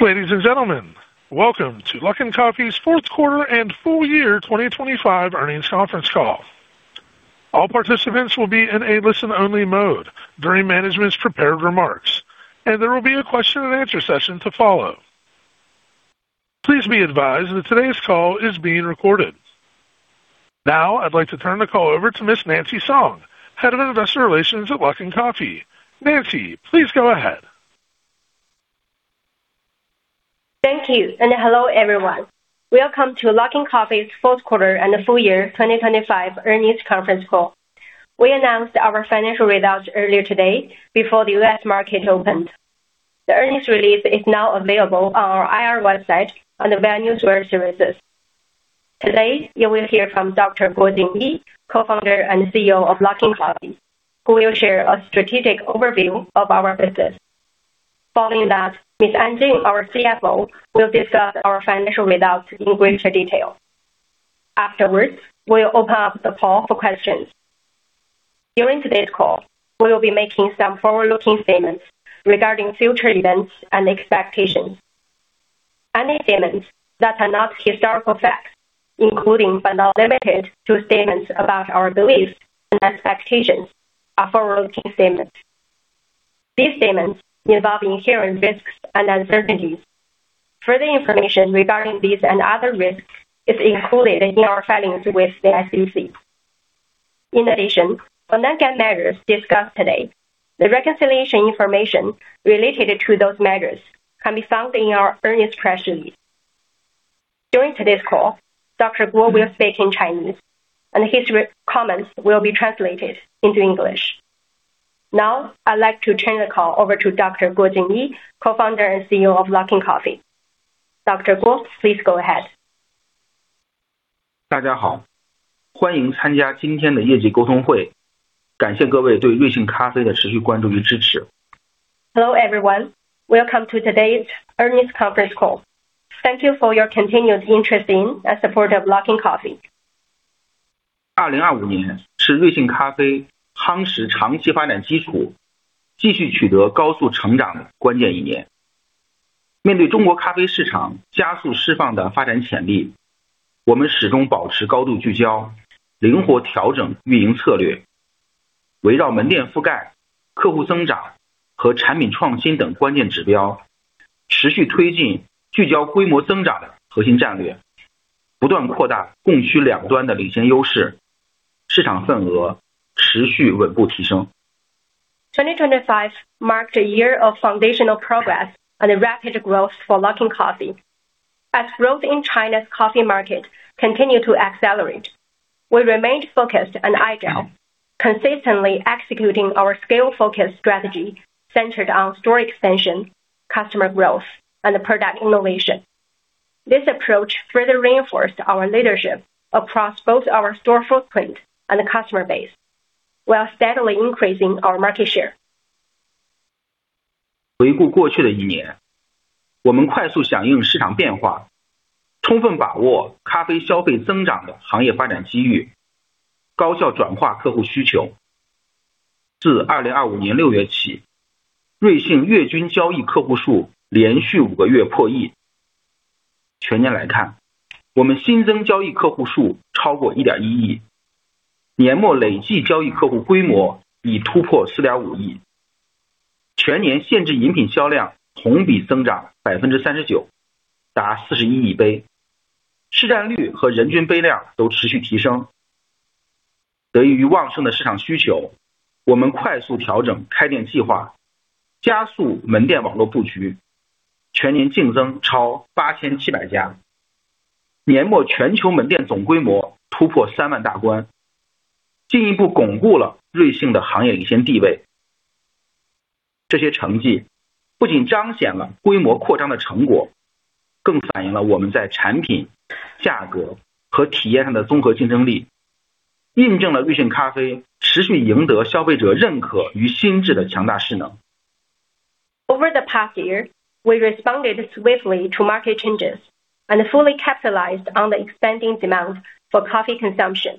Ladies and gentlemen, welcome to Luckin Coffee's fourth quarter and full year 2025 earnings conference call. All participants will be in a listen-only mode during management's prepared remarks, and there will be a question and answer session to follow. Please be advised that today's call is being recorded. Now, I'd like to turn the call over to Miss Nancy Song, Head of Investor Relations at Luckin Coffee. Nancy, please go ahead. Thank you, and hello, everyone. Welcome to Luckin Coffee's fourth quarter and full year 2025 earnings conference call. We announced our financial results earlier today before the U.S. market opened. The earnings release is now available on our IR website and the various wire services. Today, you will hear from Dr. Guo Jingyi, Co-founder and CEO of Luckin Coffee, who will share a strategic overview of our business. Following that, Miss An Jing, our CFO, will discuss our financial results in greater detail. Afterwards, we'll open up the call for questions. During today's call, we will be making some forward-looking statements regarding future events and expectations. Any statements that are not historical facts, including but not limited to statements about our beliefs and expectations, are forward-looking statements. These statements involve inherent risks and uncertainties. Further information regarding these and other risks is included in our filings with the SEC. For non-GAAP measures discussed today, the reconciliation information related to those measures can be found in our earnings press release. During today's call, Dr. Guo will speak in Chinese. His comments will be translated into English. I'd like to turn the call over to Dr. Guo Jingyi, Co-Founder and CEO of Luckin Coffee. Dr. Guo, please go ahead. 大家 好， 欢迎参加今天的业绩沟通 会， 感谢各位对瑞幸咖啡的持续关注与支持。Hello, everyone. Welcome to today's earnings conference call. Thank you for your continued interest in and support of Luckin Coffee. 2025年是瑞幸咖啡夯实长期发展基 础, 继续取得高速成长的关键一 年. 面对中国咖啡市场加速释放的发展潜 力, 我们始终保持高度聚 焦, 灵活调整运营策 略, 围绕门店覆 盖, 客户增长和产品创新等关键指 标, 持续推进聚焦规模增长的核心战 略, 不断扩大供需两端的领先优 势, 市场份额持续稳步提 升. 2025 marked a year of foundational progress and rapid growth for Luckin Coffee. As growth in China's coffee market continued to accelerate, we remained focused and agile, consistently executing our scale-focused strategy centered on store expansion, customer growth, and product innovation. This approach further reinforced our leadership across both our store footprint and customer base, while steadily increasing our market share. 回顾过去的一 年， 我们快速响应市场变 化， 充分把握咖啡消费增长的行业发展机 遇， 高效转化客户需求。自二零二五年六月 起， 瑞幸月均交易客户数连续五个月破亿。全年来 看， 我们新增交易客户数超过一点一亿，年末累计交易客户规模已突破四点五亿。全年现制饮品销量同比增长百分之三十 九， 达四十一亿 杯， 市占率和人均杯量都持续提升。得益于旺盛的市场需 求， 我们快速调整开店计 划， 加速门店网络布 局， 全年净增超八千七百 家， 年末全球门店总规模突破三万大关，进一步巩固了瑞幸的行业领先地位。这些成绩不仅彰显了规模扩张的成 果， 更反映了我们在产品、价格和体验上的综合竞争 力， 印证了瑞幸咖啡持续赢得消费者认可与心智的强大势能。Over the past year, we responded swiftly to market changes and fully capitalized on the expanding demand for coffee consumption,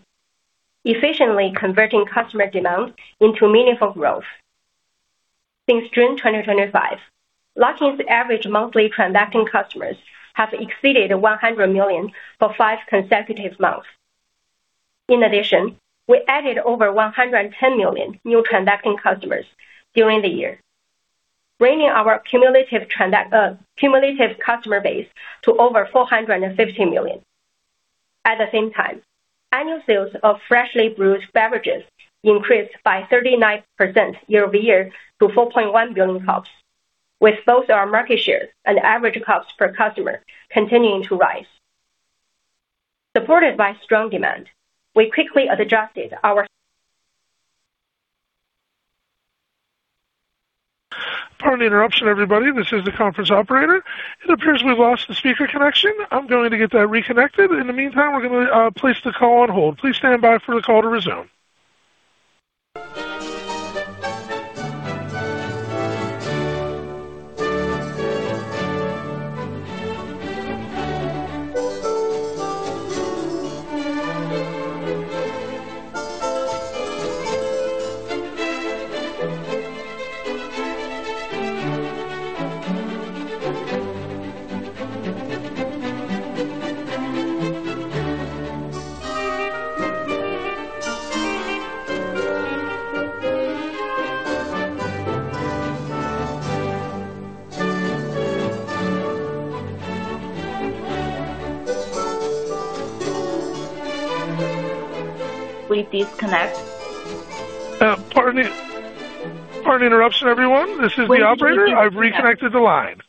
efficiently converting customer demand into meaningful growth. Since June 2025, Luckin's average monthly transacting customers have exceeded 100 million for five consecutive months. In addition, we added over 110 million new transacting customers during the year, bringing our cumulative customer base to over 450 million. At the same time, annual sales of freshly brewed beverages increased by 39% year-over-year to 4.1 billion cups, with both our market shares and average cups per customer continuing to rise. Supported by strong demand, we quickly adjusted our... Pardon the interruption, everybody. This is the conference operator. It appears we've lost the speaker connection. I'm going to get that reconnected. In the meantime, we're gonna place the call on hold. Please stand by for the call to resume. We've disconnect. Pardon the interruption, everyone. This is the operator. I've reconnected the line.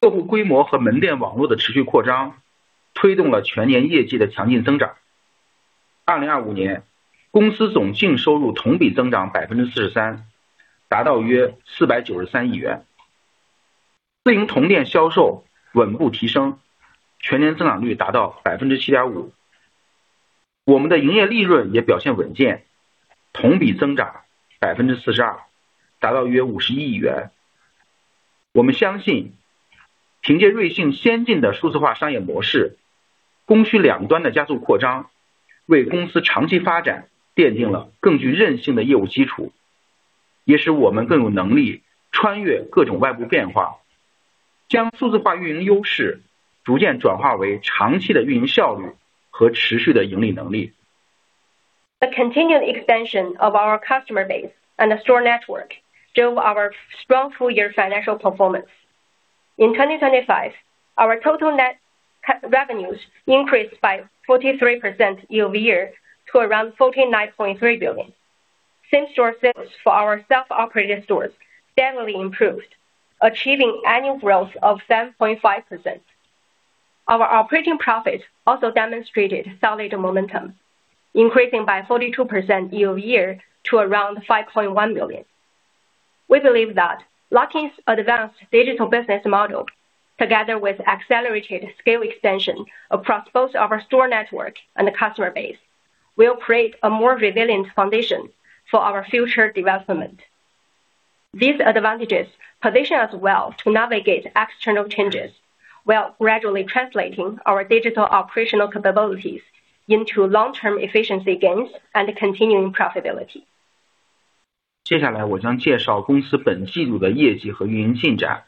客户规模和门店网络的持续扩 张， 推动了全年业绩的强劲增长。二零二五 年， 公司总净收入同比增长百分之四十 三， 达到约四百九十三亿元。自营同店销售稳步提 升， 全年增长率达到百分之七点五。我们的营业利润也表现稳 健， 同比增长百分之四十 二， 达到约五十亿元。我们相 信， 凭借瑞幸先进的数字化商业模 式， 供需两端的加速扩 张， 为公司长期发展奠定了更具韧性的业务基础，也使我们更有能力穿越各种外部变 化， 将数字化运营优势逐渐转化为长期的运营效率和持续的盈利能力。The continued expansion of our customer base and the store network drove our strong full year financial performance. In 2025, our total net revenues increased by 43% year-over-year, to around 49.3 billion. Same-store sales for our self-operated stores steadily improved, achieving annual growth of 7.5%. Our operating profits also demonstrated solid momentum, increasing by 42% year-over-year to around 5.1 billion. We believe that Luckin's advanced digital business model, together with accelerated scale extension across both our store network and customer base, will create a more resilient foundation for our future development. These advantages position us well to navigate external changes, while gradually translating our digital operational capabilities into long-term efficiency gains and continuing profitability. 接下来我将介绍公司本季度的业绩和运营进展。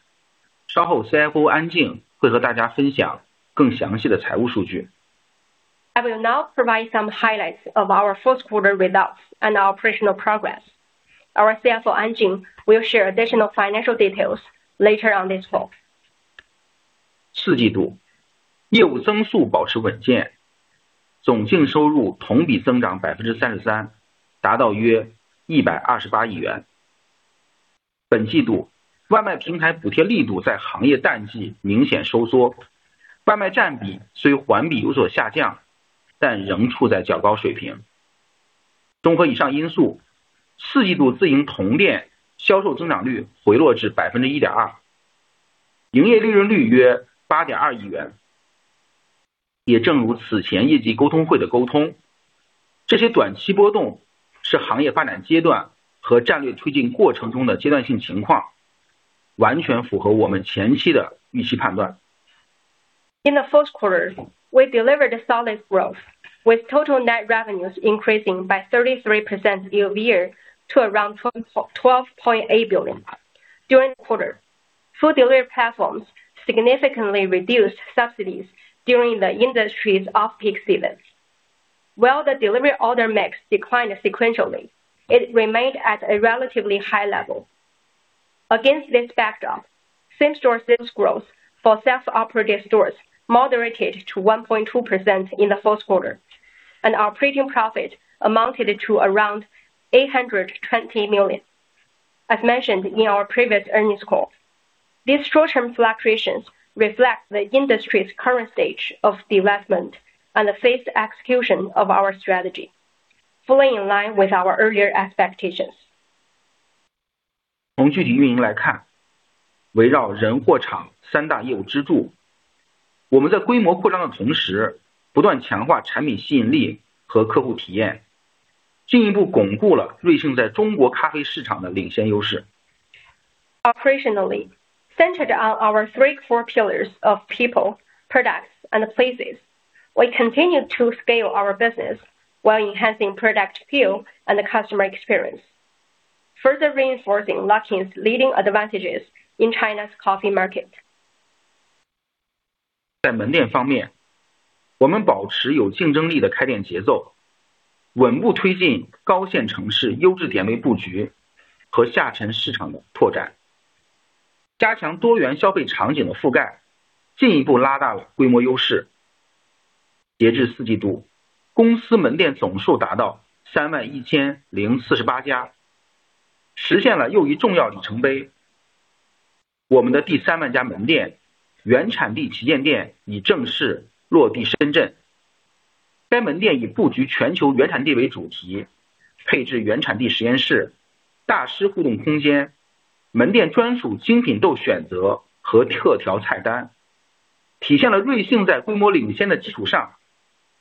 稍后 ，CFO 安静会和大家分享更详细的财务数据。I will now provide some highlights of our fourth quarter results and our operational progress. Our CFO, An Jing, will share additional financial details later on this call. 四季度业务增速保持稳 健， 总净收入同比增长百分之三十 三， 达到约一百二十八亿元。本季度外卖平台补贴力度在行业淡季明显收 缩， 外卖占比虽环比有所下 降， 但仍处在较高水平。综合以上因 素， 四季度自营同店销售增长率回落至百分之一点 二， 营业利润率约八点二亿元。也正如此前业绩沟通会的沟 通， 这些短期波动是行业发展阶段和战略推进过程中的阶段性情 况， 完全符合我们前期的预期判断。In the fourth quarter, we delivered a solid growth, with total net revenues increasing by 33% year-over-year to around 12.8 billion. During the quarter, food delivery platforms significantly reduced subsidies during the industry's off-peak seasons, while the delivery order mix declined sequentially, it remained at a relatively high level. Against this backdrop, same-store sales growth for self-operated stores moderated to 1.2% in the fourth quarter, and operating profit amounted to around 820 million. As mentioned in our previous earnings call, these short-term fluctuations reflect the industry's current stage of development and the phase execution of our strategy, fully in line with our earlier expectations. 从具体运营来 看， 围绕人、货、场三大业务支 柱， 我们在规模扩张的同 时， 不断强化产品吸引力和客户体 验， 进一步巩固了瑞幸在中国咖啡市场的领先优势。Operationally centered on our three core pillars of people, products, and places, we continue to scale our business while enhancing product view and the customer experience, further reinforcing Luckin's leading advantages in China's coffee market. 在门店方 面， 我们保持有竞争力的开店节 奏， 稳步推进高线城市优质点位布局和下沉市场的拓 展， 加强多元消费场景的覆 盖， 进一步拉大了规模优势。截至四季 度， 公司门店总数达到三万一千零四十八 家， 实现了又一重要里程碑。我们的第三万家门店原产地体验店已正式落地深圳。该门店以布局全球原产地为主 题， 配置原产地实验室、大师互动空间、门店专属精品豆选择和特调菜 单。... 体现了瑞幸在规模领先的基础 上,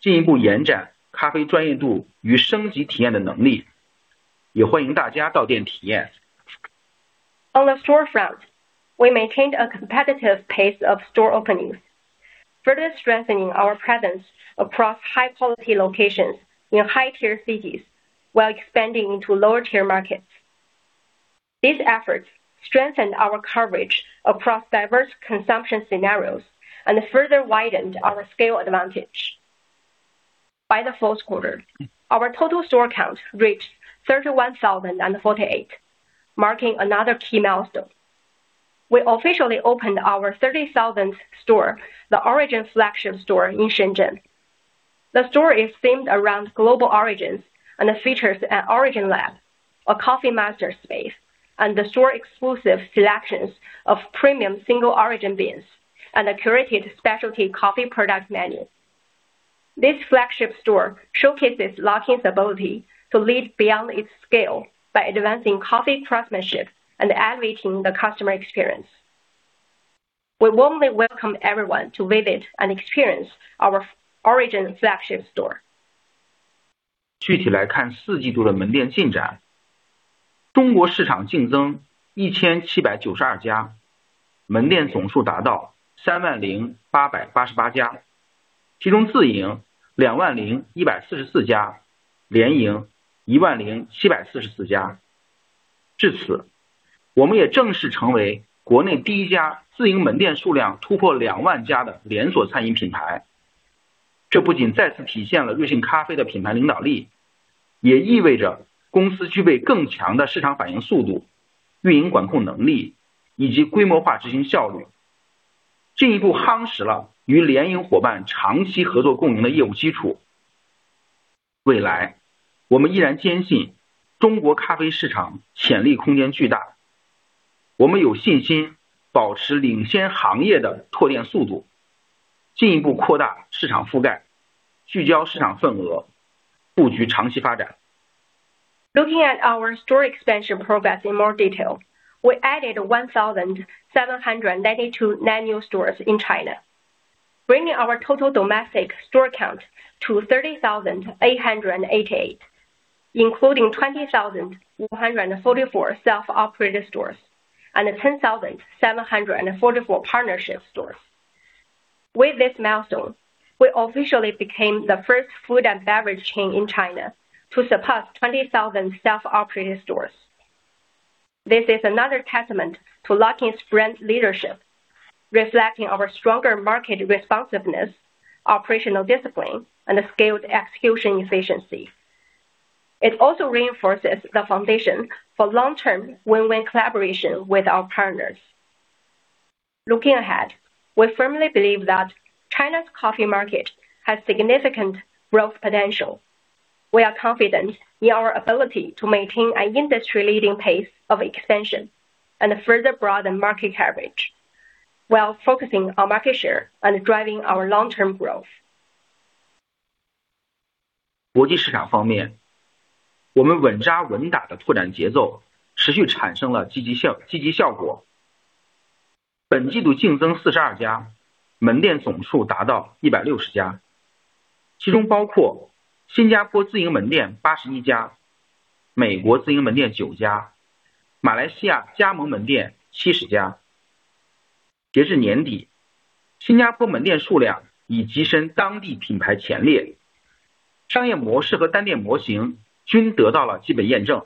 进一步延展咖啡专业度与升级体验的能 力, 也欢迎大家到店体 验. On the store front, we maintained a competitive pace of store openings, further strengthening our presence across high quality locations in high tier cities while expanding into lower tier markets. These efforts strengthened our coverage across diverse consumption scenarios and further widened our scale advantage. By the fourth quarter, our total store count reached 31,048, marking another key milestone. We officially opened our 30,000th store, the Origin Flagship store in Shenzhen. The store is themed around global origins and features an origin lab, a coffee master space, and the store exclusive selections of premium single origin beans and a curated specialty coffee product menu. This flagship store showcases Luckin's ability to lead beyond its scale by advancing coffee craftsmanship and elevating the customer experience. We warmly welcome everyone to visit and experience our Origin Flagship store. 具体来 看， Q4 的门店进展。中国市场净增 1,792 家， 门店总数达到 30,888 家， 其中自营 20,144 家， 联营 10,744 家。至此，我们也正式成为国内第一家自营门店数量突破 20,000 家的连锁餐饮品牌。这不仅再次体现了 Luckin Coffee 的品牌领导 力， 也意味着公司具备更强的市场反应速度、运营管控能力以及规模化执行效 率， 进一步夯实了与联营伙伴长期合作共赢的业务基础。未 来， 我们依然坚信中国咖啡市场潜力空间巨大，我们有信心保持领先行业的拓店速 度， 进一步扩大市场覆 盖， 聚焦市场份 额， 布局长期发展。Looking at our store expansion progress in more detail. We added 1,792 net new stores in China, bringing our total domestic store count to 30,888, including 20,144 self-operated stores and 10,744 partnership stores. With this milestone, we officially became the first food and beverage chain in China to surpass 20,000 self-operated stores. This is another testament to Luckin's brand leadership, reflecting our stronger market responsiveness, operational discipline, and scaled execution efficiency. It also reinforces the foundation for long-term win-win collaboration with our partners. Looking ahead, we firmly believe that China's coffee market has significant growth potential. We are confident in our ability to maintain an industry leading pace of expansion and further broaden market coverage, while focusing on market share and driving our long-term growth. 国际市场方 面， 我们稳扎稳打的拓展节奏持续产生了积极 效, 积极效果。本季度净增四十二 家， 门店总数达到一百六十 家， 其中包括新加坡自营门店八十一 家， 美国自营门店九 家， 马来西亚加盟门店七十家。截至年 底， 新加坡门店数量已跻身当地品牌前 列， 商业模式和单店模型均得到了基本验证。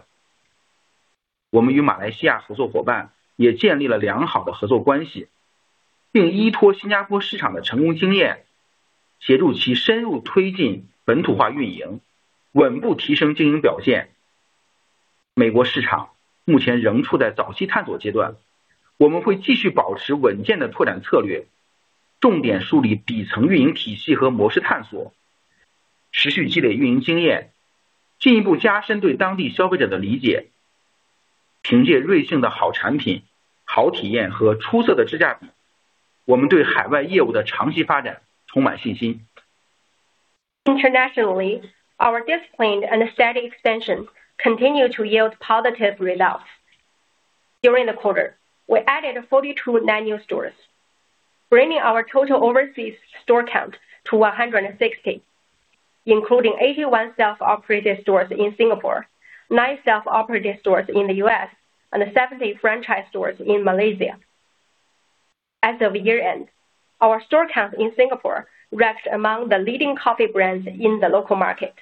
我们与马来西亚合作伙伴也建立了良好的合作关 系， 并依托新加坡市场的成功经 验， 协助其深入推进本土化运 营， 稳步提升经营表现。美国市场目前仍处在早期探索阶 段， 我们会继续保持稳健的拓展策 略， 重点梳理底层运营体系和模式探 索， 持续积累运营经验，进一步加深对当地消费者的理解。凭借瑞幸的好产品、好体验和出色的性价 比， 我们对海外业务的长期发展充满信心。Internationally, our disciplined and steady expansion continue to yield positive results. During the quarter, we added 42 net new stores, bringing our total overseas store count to 160, including 81 self-operated stores in Singapore, nine self-operated stores in the U.S., and 70 franchise stores in Malaysia. As of year-end, our store count in Singapore ranked among the leading coffee brands in the local market,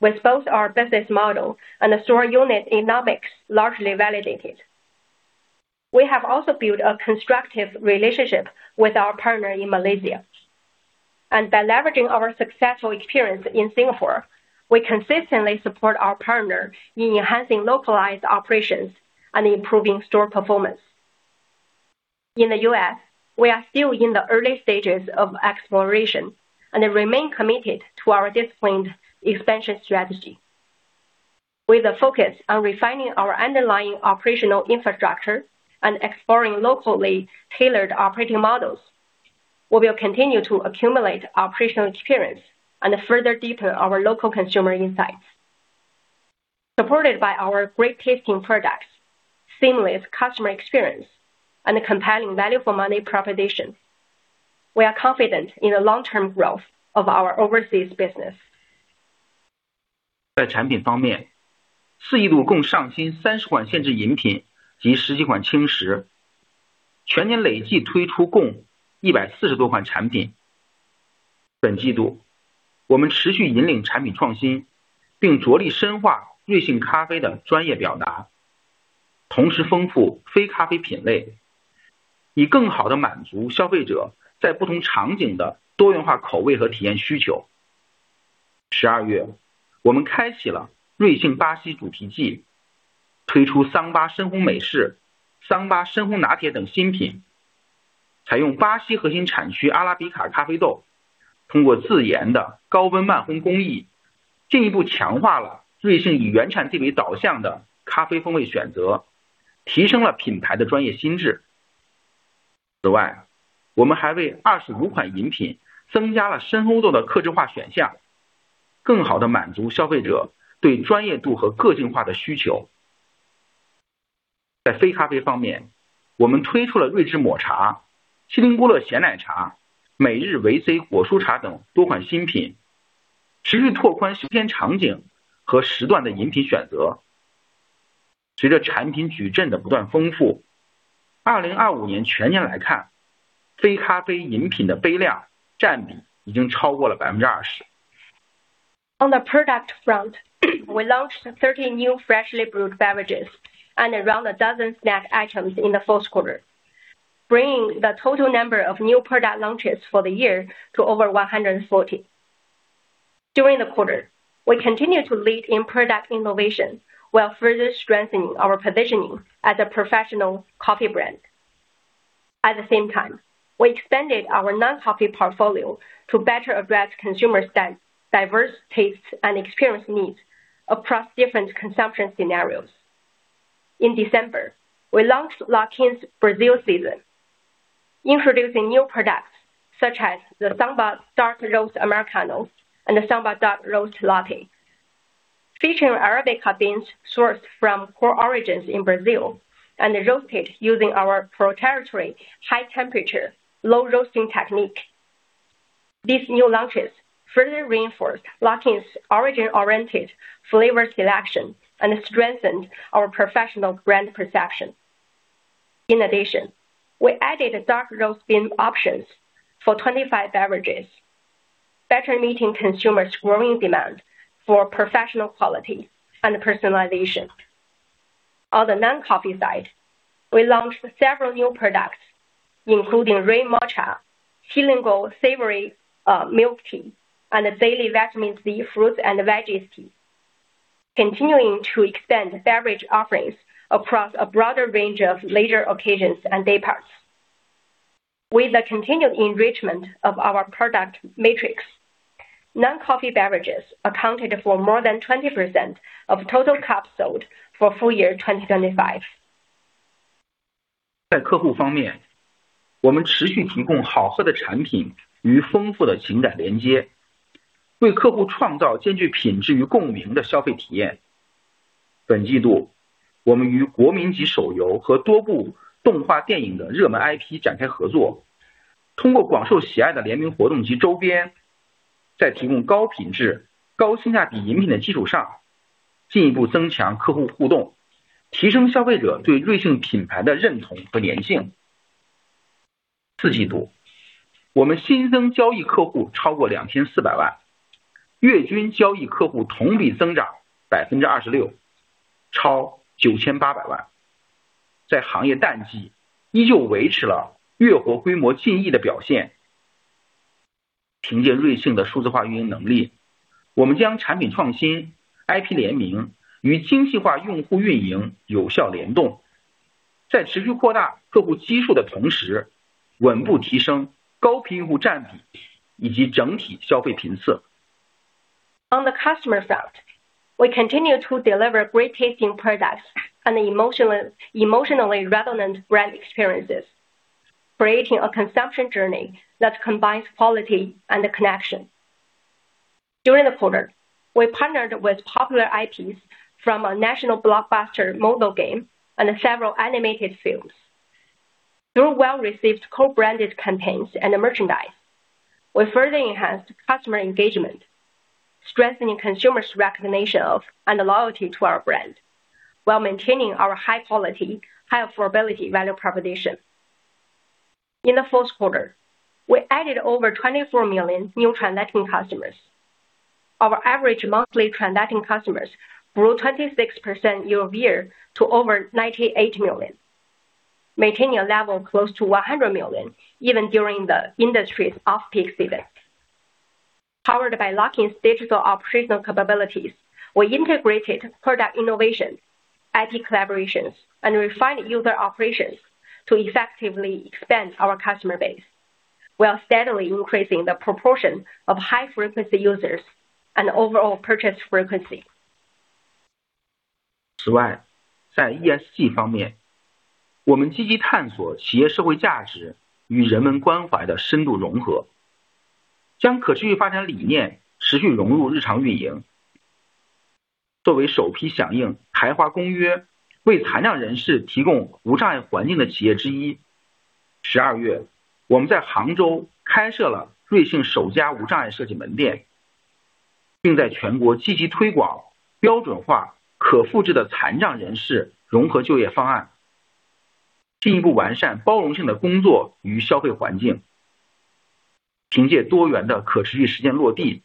with both our business model and store unit economics largely validated. We have also built a constructive relationship with our partner in Malaysia, and by leveraging our successful experience in Singapore, we consistently support our partner in enhancing localized operations and improving store performance. In the U.S., we are still in the early stages of exploration and remain committed to our disciplined expansion strategy, with a focus on refining our underlying operational infrastructure and exploring locally tailored operating models. We will continue to accumulate operational experience and further deepen our local consumer insights. Supported by our great tasting products, seamless customer experience, and a compelling value for money proposition, we are confident in the long-term growth of our overseas business. 在产品方 面， 四季度共上新三十款限制饮 品， 及十几款轻 食， 全年累计推出共一百四十多款产品。本季 度， 我们持续引领产品创 新， 并着力深化瑞幸咖啡的专业表 达， 同时丰富非咖啡品 类， 以更好地满足消费者在不同场景的多元化口味和体验需求。十二 月， 我们开启了瑞幸巴西主题 季， 推出桑巴深烘美式、桑巴深烘拿铁等新品，采用巴西核心产区阿拉比卡咖啡 豆， 通过自研的高温慢烘工 艺， 进一步强化了瑞幸以原产地为导向的咖啡风味选 择， 提升了品牌的专业心智。此 外， 我们还为二十五款饮品增加了深烘豆的客制化选 项， 更好地满足消费者对专业度和个性的需求。在非咖啡方 面， 我们推出了瑞之抹茶、西林姑乐咸奶茶、每日维 C 果蔬茶等多款新 品， 持续拓宽休闲场景和时段的饮品选择。随着产品矩阵的不断丰 富， 二零二五年全年来 看， 非咖啡饮品的杯量占比已经超过了百分之二十。On the product front, we launched 30 new freshly brewed beverages and around 12 snack items in the fourth quarter, bringing the 总数 total number of new product launches for the year to over 140. During the quarter, we continued to lead in product innovation, while further strengthening our positioning as a professional coffee brand. At the same time, we expanded our non-coffee portfolio to better address consumer diverse tastes and experience needs across different consumption scenarios. In December, we launched Luckin's Brazil Season, introducing new products such as the Samba Dark Roast Americano and the Samba Dark Roast Latte. Featuring Arabica beans sourced from core origins in Brazil and roasted using our proprietary high temperature, low roasting technique. These new launches further reinforced Luckin's origin-oriented flavor selection and strengthened our professional brand perception. In addition, we added dark roast bean options for 25 beverages, better meeting consumers' growing demand for professional quality and personalization. On the non-coffee side, we launched several new products, including Matcha, Xilingol savory milk tea, and a daily Vitamin C fruit and veggies tea, continuing to extend beverage offerings across a broader range of leisure occasions and day parts. With the continued enrichment of our product matrix, non-coffee beverages accounted for more than 20% of total cups sold for full year 2075. 在客户方 面， 我们持续提供好喝的产品与丰富的情感连 接， 为客户创造兼具品质与共鸣的消费体验。本季度，我们与国民级手游和多部动画电影的热门 IP 展开合 作， 通过广受喜爱的联名活动及周 边， 在提供高品质高性价比饮品的基础 上， 进一步增强客户互 动， 提升消费者对瑞幸品牌的认同和粘性。四季 度， 我们新增交易客户超过两千四百 万， 月均交易客户同比增长百分之二十 六， 超九千八百万。在行业淡季依旧维持了月活规模近亿的表现。凭借瑞幸的数字化运营能 力， 我们将产品创新、IP 联名与精细化用户运营有效联 动， 在持续扩大客户基数的同 时， 稳步提升高频用户占比以及整体消费频次。On the customer front, we continue to deliver great tasting products and emotionally relevant brand experiences, creating a consumption journey that combines quality and the connection. During the quarter, we partnered with popular IPs from a national blockbuster mobile game and several animated films. Through well-received co-branded campaigns and merchandise, we further enhanced customer engagement, strengthening consumers' recognition of and loyalty to our brand, while maintaining our high quality, high affordability, value proposition. In the fourth quarter, we added over 24 million new transacting customers. Our average monthly transacting customers grew 26% year-over-year to over 98 million, maintaining a level close to 100 million even during the industry's off-peak season. Powered by Luckin's digital operational capabilities, we integrated product innovation, IT collaborations, and refined user operations to effectively expand our customer base, while steadily increasing the proportion of high-frequency users and overall purchase frequency. 在 ESG 方 面， 我们积极探索企业社会价值与人们关怀的深度融 合.... 将可持续发展理念持续融入日常运营。作为首批响应台华公 约， 为残障人士提供无障碍环境的企业之 一， 十二月我们在杭州开设了瑞幸首家无障碍设计门 店， 并在全国积极推广标准化可复制的残障人士融合就业方 案， 进一步完善包容性的工作与消费环境。凭借多元的可持续实践落 地，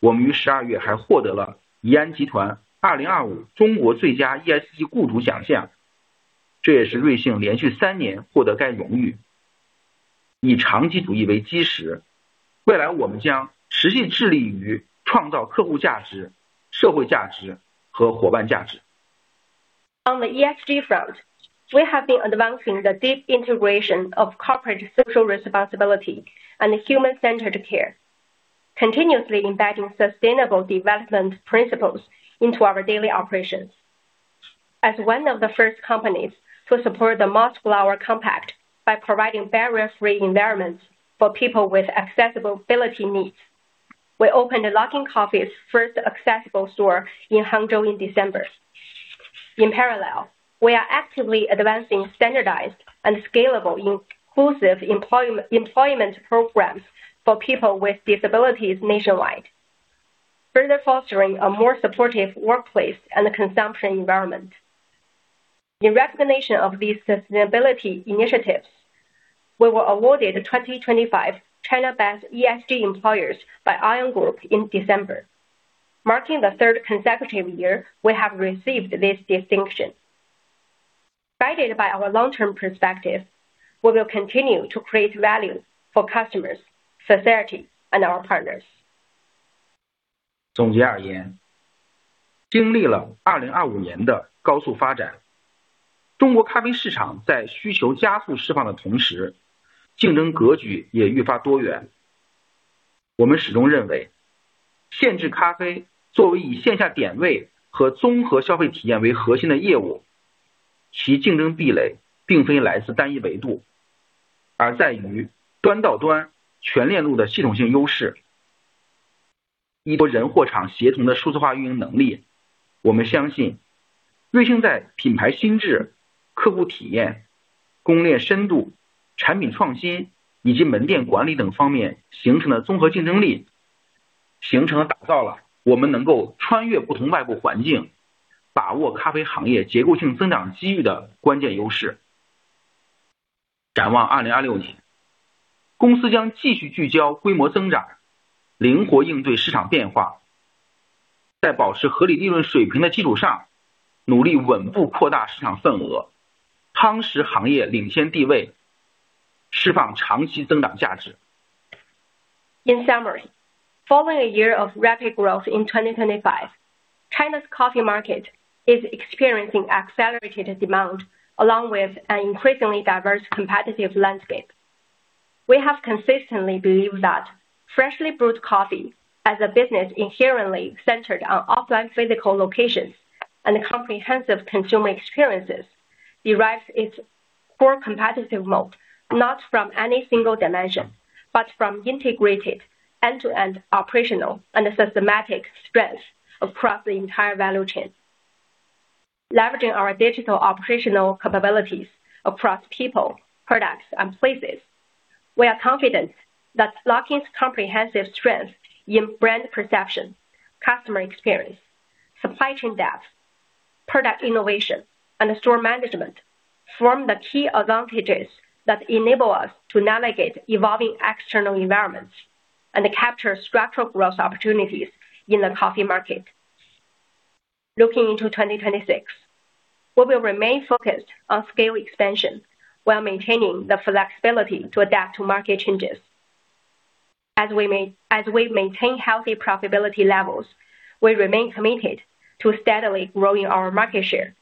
我们于十二月还获得了怡安集团2025中国最佳 ESG 雇主奖 项， 这也是瑞幸连续三年获得该荣誉。以长期主义为基 石， 未来我们将持续致力于创造客户价值、社会价值和伙伴价值。On the ESG front, we have been advancing the deep integration of corporate social responsibility and human-centered care, continuously embedding sustainable development principles into our daily operations. As one of the first companies to support the Моск 花花 compact by providing barrier-free environments for people with accessibility needs, we opened the Luckin Coffee's first accessible store in Hangzhou in December. In parallel, we are actively advancing standardized and scalable, inclusive employment programs for people with disabilities nationwide, further fostering a more supportive workplace and consumption environment. In recognition of these sustainability initiatives, we were awarded the 2025 China Best ESG Employers by Aon Group in December, marking the third consecutive year we have received this distinction. Guided by our long-term perspective, we will continue to create value for customers, society, and our partners. 总结而 言， 经历了2025年的高速发 展， 中国咖啡市场在需求加速释放的同 时， 竞争格局也愈发多元。我们始终认 为， 现制咖啡作为以线下点位和综合消费体验为核心的业 务， 其竞争壁垒并非来自单一维 度， 而在于端到端全链路的系统性优 势， 以及人、货、场协同的数字化运营能力。我们相 信， 瑞幸在品牌新智、客户体验、供应链深度、产品创新以及门店管理等方面形成了综合竞争 力， 打造了我们能够穿越不同外部环境，把握咖啡行业结构性增长机遇的关键优势。展望2026 年， 公司将继续聚焦规模增 长， 灵活应对市场变化。在保持合理利润水平的基础 上， 努力稳步扩大市场份 额， 夯实行业领先地 位， 释放长期增长价值。In summary, following a year of rapid growth in 2025, China's coffee market is experiencing accelerated demand along with an increasingly diverse competitive landscape. We have consistently believed that freshly brewed coffee, as a business inherently centered on offline physical locations and comprehensive consumer experiences, derives its core competitive mode not from any single dimension, but from integrated end-to-end operational and systematic strengths across the entire value chain. Leveraging our digital operational capabilities across people, products, and places, we are confident that Luckin's comprehensive strength in brand perception, customer experience, supply chain depth, product innovation, and store management, form the key advantages that enable us to navigate evolving external environments and capture structural growth opportunities in the coffee market. Looking into 2026, we will remain focused on scale expansion while maintaining the flexibility to adapt to market changes. As we maintain healthy profitability levels, we remain committed to steadily growing our market share,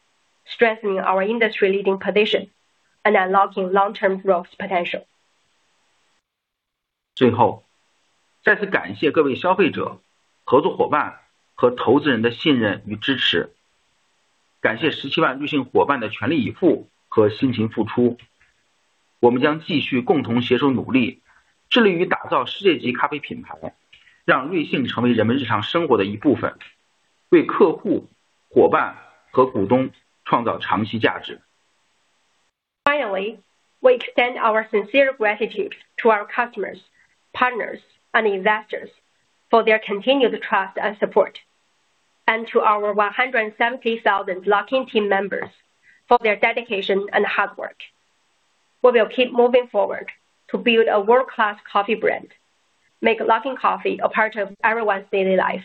strengthening our industry leading position, and unlocking long-term growth potential. 最 后， 再次感谢各位消费者、合作伙伴和投资人的信任与支持。感谢十七万瑞幸伙伴的全力以赴和辛勤付出。我们将继续共同携手努 力， 致力于打造世界级咖啡品 牌， 让瑞幸成为人们日常生活的一部 分， 为客户、伙伴和股东创造长期价值。We extend our sincere gratitude to our customers, partners, and investors for their continued trust and support, and to our 170,000 Luckin team members for their dedication and hard work. We will keep moving forward to build a world-class coffee brand, make Luckin Coffee a part of everyone's daily life,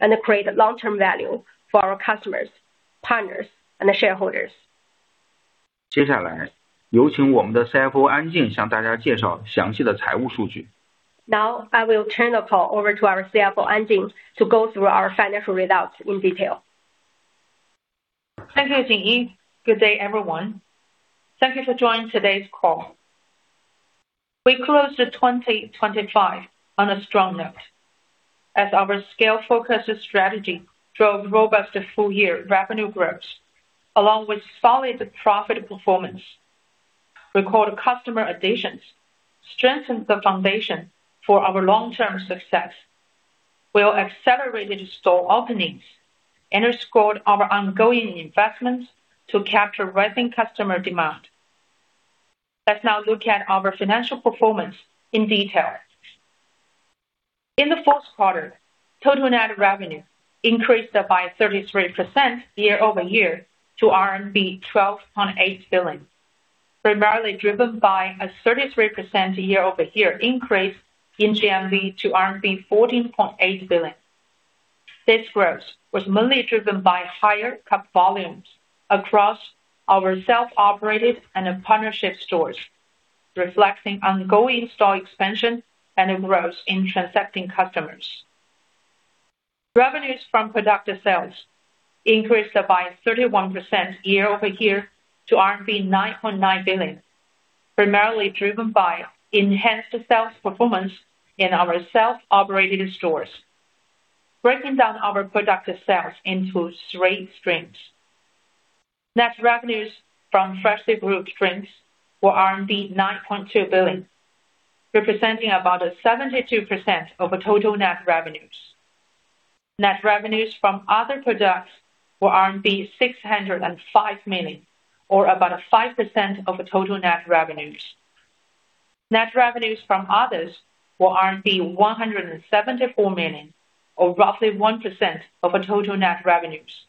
and create long-term value for our customers, partners, and shareholders. 接下 来， 有请我们的 CFO 安进向大家介绍详细的财务数据。I will turn the call over to our CFO, An Jing, to go through our financial results in detail. Thank you, Jinyi. Good day, everyone. Thank you for joining today's call. We closed the 2025 on a strong note as our scale focus strategy drove robust full year revenue growth, along with solid profit performance. Record customer additions strengthened the foundation for our long-term success, while accelerated store openings underscored our ongoing investments to capture rising customer demand. Let's now look at our financial performance in detail. In the fourth quarter, total net revenue increased by 33% year-over-year to RMB 12.8 billion, primarily driven by a 33% year-over-year increase in GMV to RMB 14.8 billion. This growth was mainly driven by higher cup volumes across our self-operated and partnership stores, reflecting ongoing store expansion and a growth in transacting customers. Revenues from productive sales increased by 31% year-over-year to RMB 9.9 billion, primarily driven by enhanced sales performance in our self-operated stores. Breaking down our productive sales into three streams. Net revenues from freshly brewed drinks were RMB 9.2 billion, representing about 72% of total net revenues. Net revenues from other products were RMB 605 million, or about 5% of the total net revenues. Net revenues from others were 174 million, or roughly 1% of the total net revenues.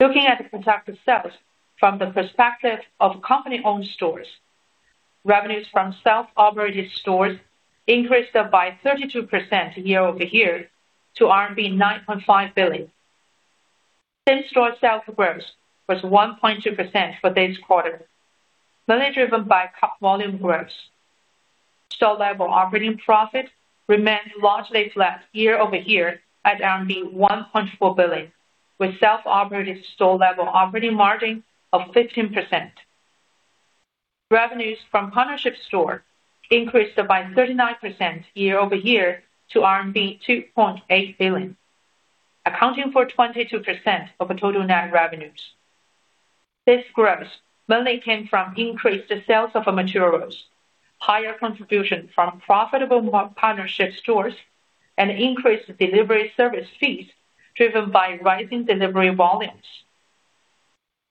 Looking at the productive sales from the perspective of company-owned stores, revenues from self-operated stores increased by 32% year-over-year to RMB 9.5 billion. Same-store sales growth was 1.2% for this quarter, mainly driven by cup volume growth. Store-level operating profit remained largely flat year-over-year at 1.4 billion, with self-operated store-level operating margin of 15%. Revenues from partnership store increased by 39% year-over-year to RMB 2.8 billion, accounting for 22% of the total net revenues. This growth mainly came from increased sales of materials, higher contribution from profitable partnership stores, and increased delivery service fees, driven by rising delivery volumes.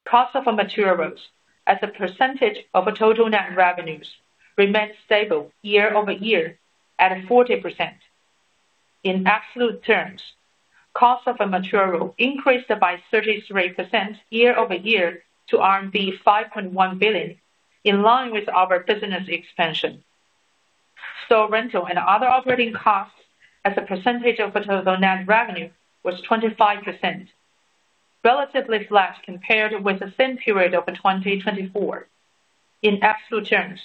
Cost of materials as a percentage of total net revenues remained stable year-over-year at 40%. In absolute terms, cost of a material increased by 33% year-over-year to RMB 5.1 billion, in line with our business expansion. Store rental and other operating costs as a percentage of total net revenue was 25%, relatively flat compared with the same period of 2024. In absolute terms,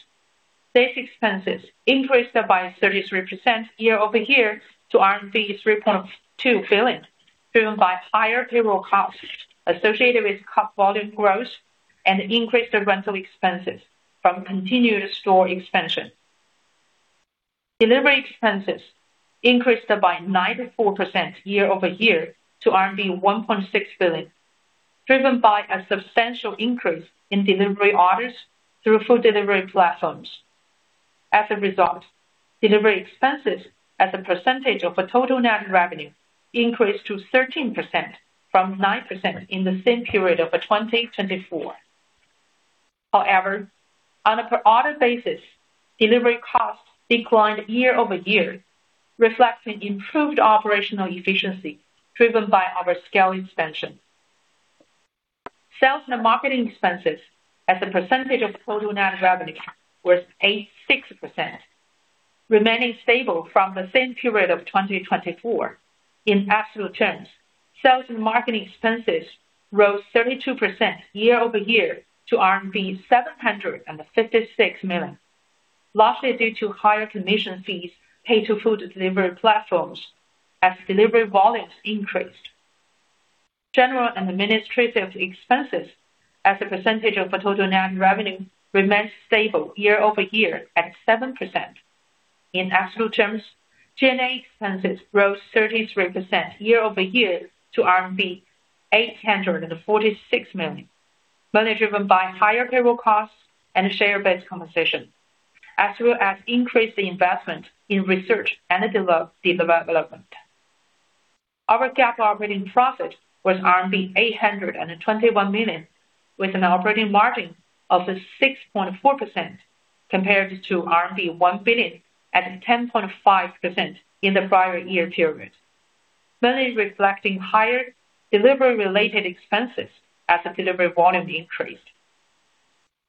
these expenses increased by 33% year-over-year to 3.2 billion, driven by higher payroll costs associated with cup volume growth and increased rental expenses from continued store expansion. Delivery expenses increased by 94% year-over-year to RMB 1.6 billion, driven by a substantial increase in delivery orders through food delivery platforms. As a result, delivery expenses as a percentage of total net revenue increased to 13% from 9% in the same period of 2024. However, on a per order basis, delivery costs declined year-over-year, reflecting improved operational efficiency driven by our scale expansion. Sales and marketing expenses as a percentage of total net revenue was 86%, remaining stable from the same period of 2024. In absolute terms, sales and marketing expenses rose 32% year-over-year to RMB 756 million, largely due to higher commission fees paid to food delivery platforms as delivery volumes increased. General and administrative expenses as a percentage of total net revenue remained stable year-over-year at 7%. In absolute terms, G&A expenses rose 33% year-over-year to RMB 846 million, mainly driven by higher payroll costs and share-based compensation, as well as increased investment in research and development. Our GAAP operating profit was RMB 821 million, with an operating margin of 6.4%, compared to RMB 1 billion at 10.5% in the prior year period, mainly reflecting higher delivery-related expenses as the delivery volume increased.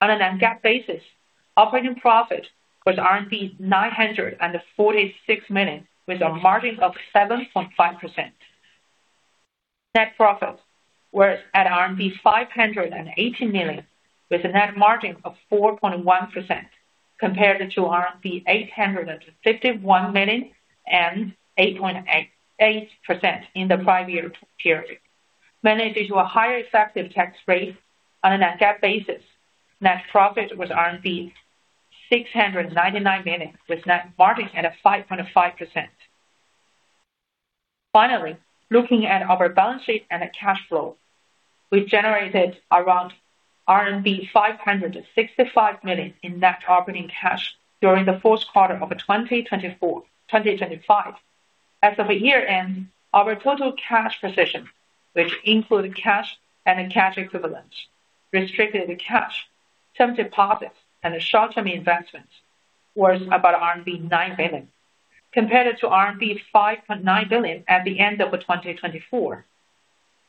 On a non-GAAP basis, operating profit was 946 million, with a margin of 7.5%. Net profits were at RMB 518 million, with a net margin of 4.1%, compared to RMB 851 million and 8.8% in the prior year period, mainly due to a higher effective tax rate. On a non-GAAP basis, net profit was RMB 699 million, with net margin at a 5.5%. Finally, looking at our balance sheet and cash flow, we generated around RMB 565 million in net operating cash during the fourth quarter of 2024, 2025. As of year-end, our total cash position, which include cash and cash equivalents, restricted cash, term deposits and short-term investments, was about RMB 9 billion, compared to RMB 5.9 billion at the end of 2024.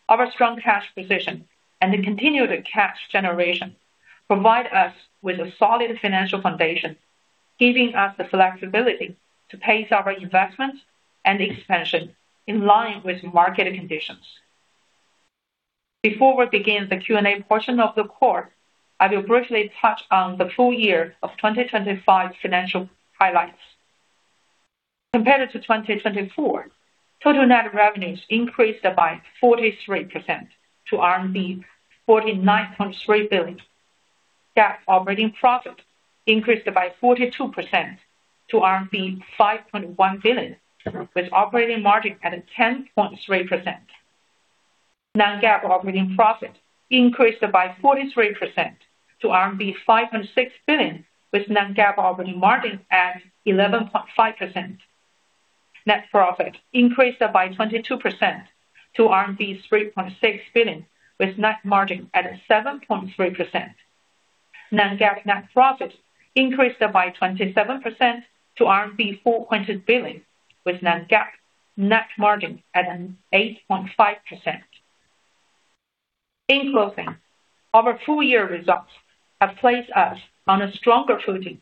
Our strong cash position and the continued cash generation provide us with a solid financial foundation, giving us the flexibility to pace our investments and expansion in line with market conditions. Before we begin the Q&A portion of the call, I will briefly touch on the full year of 2025 financial highlights. Compared to 2024, total net revenues increased by 43% to 49.3 billion. GAAP operating profit increased by 42% to RMB 5.1 billion, with operating margin at 10.3%. Non-GAAP operating profit increased by 43% to RMB 5.6 billion, with Non-GAAP operating margin at 11.5%. Net profit increased by 22% to RMB 3.6 billion, with net margin at 7.3%. Non-GAAP net profit increased by 27% to RMB 4 point billion, with Non-GAAP net margin at an 8.5%. In closing, our full year results have placed us on a stronger footing.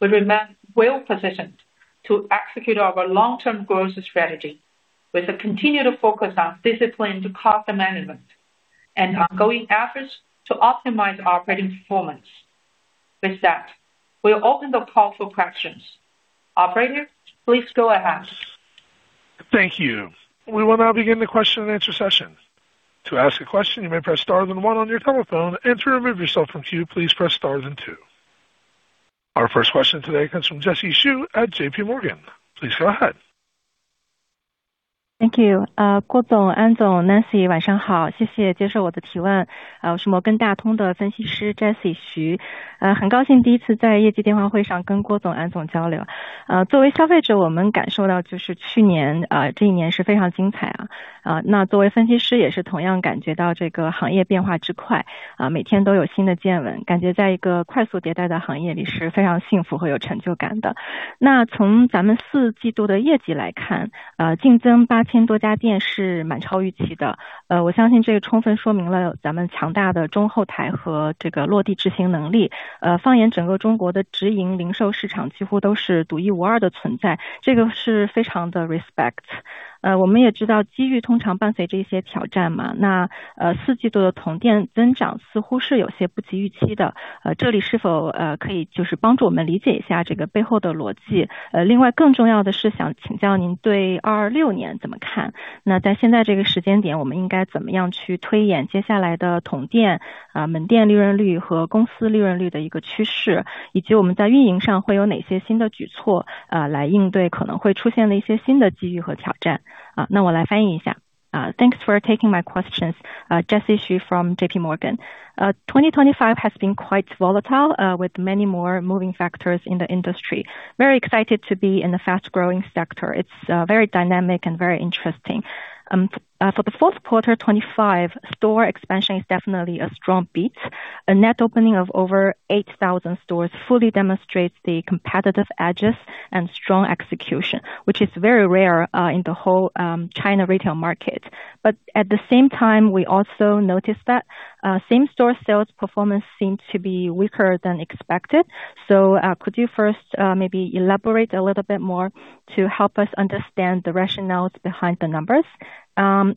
We remain well positioned to execute our long-term growth strategy, with a continued focus on disciplined cost management and ongoing efforts to optimize operating performance. With that, we'll open the call for questions. Operator, please go ahead. Thank you. We will now begin the question and answer session. To ask a question, you may press star then one on your telephone, and to remove yourself from queue, please press star then two. Our first question today comes from Jesse Xu at JP Morgan. Please go ahead. Thank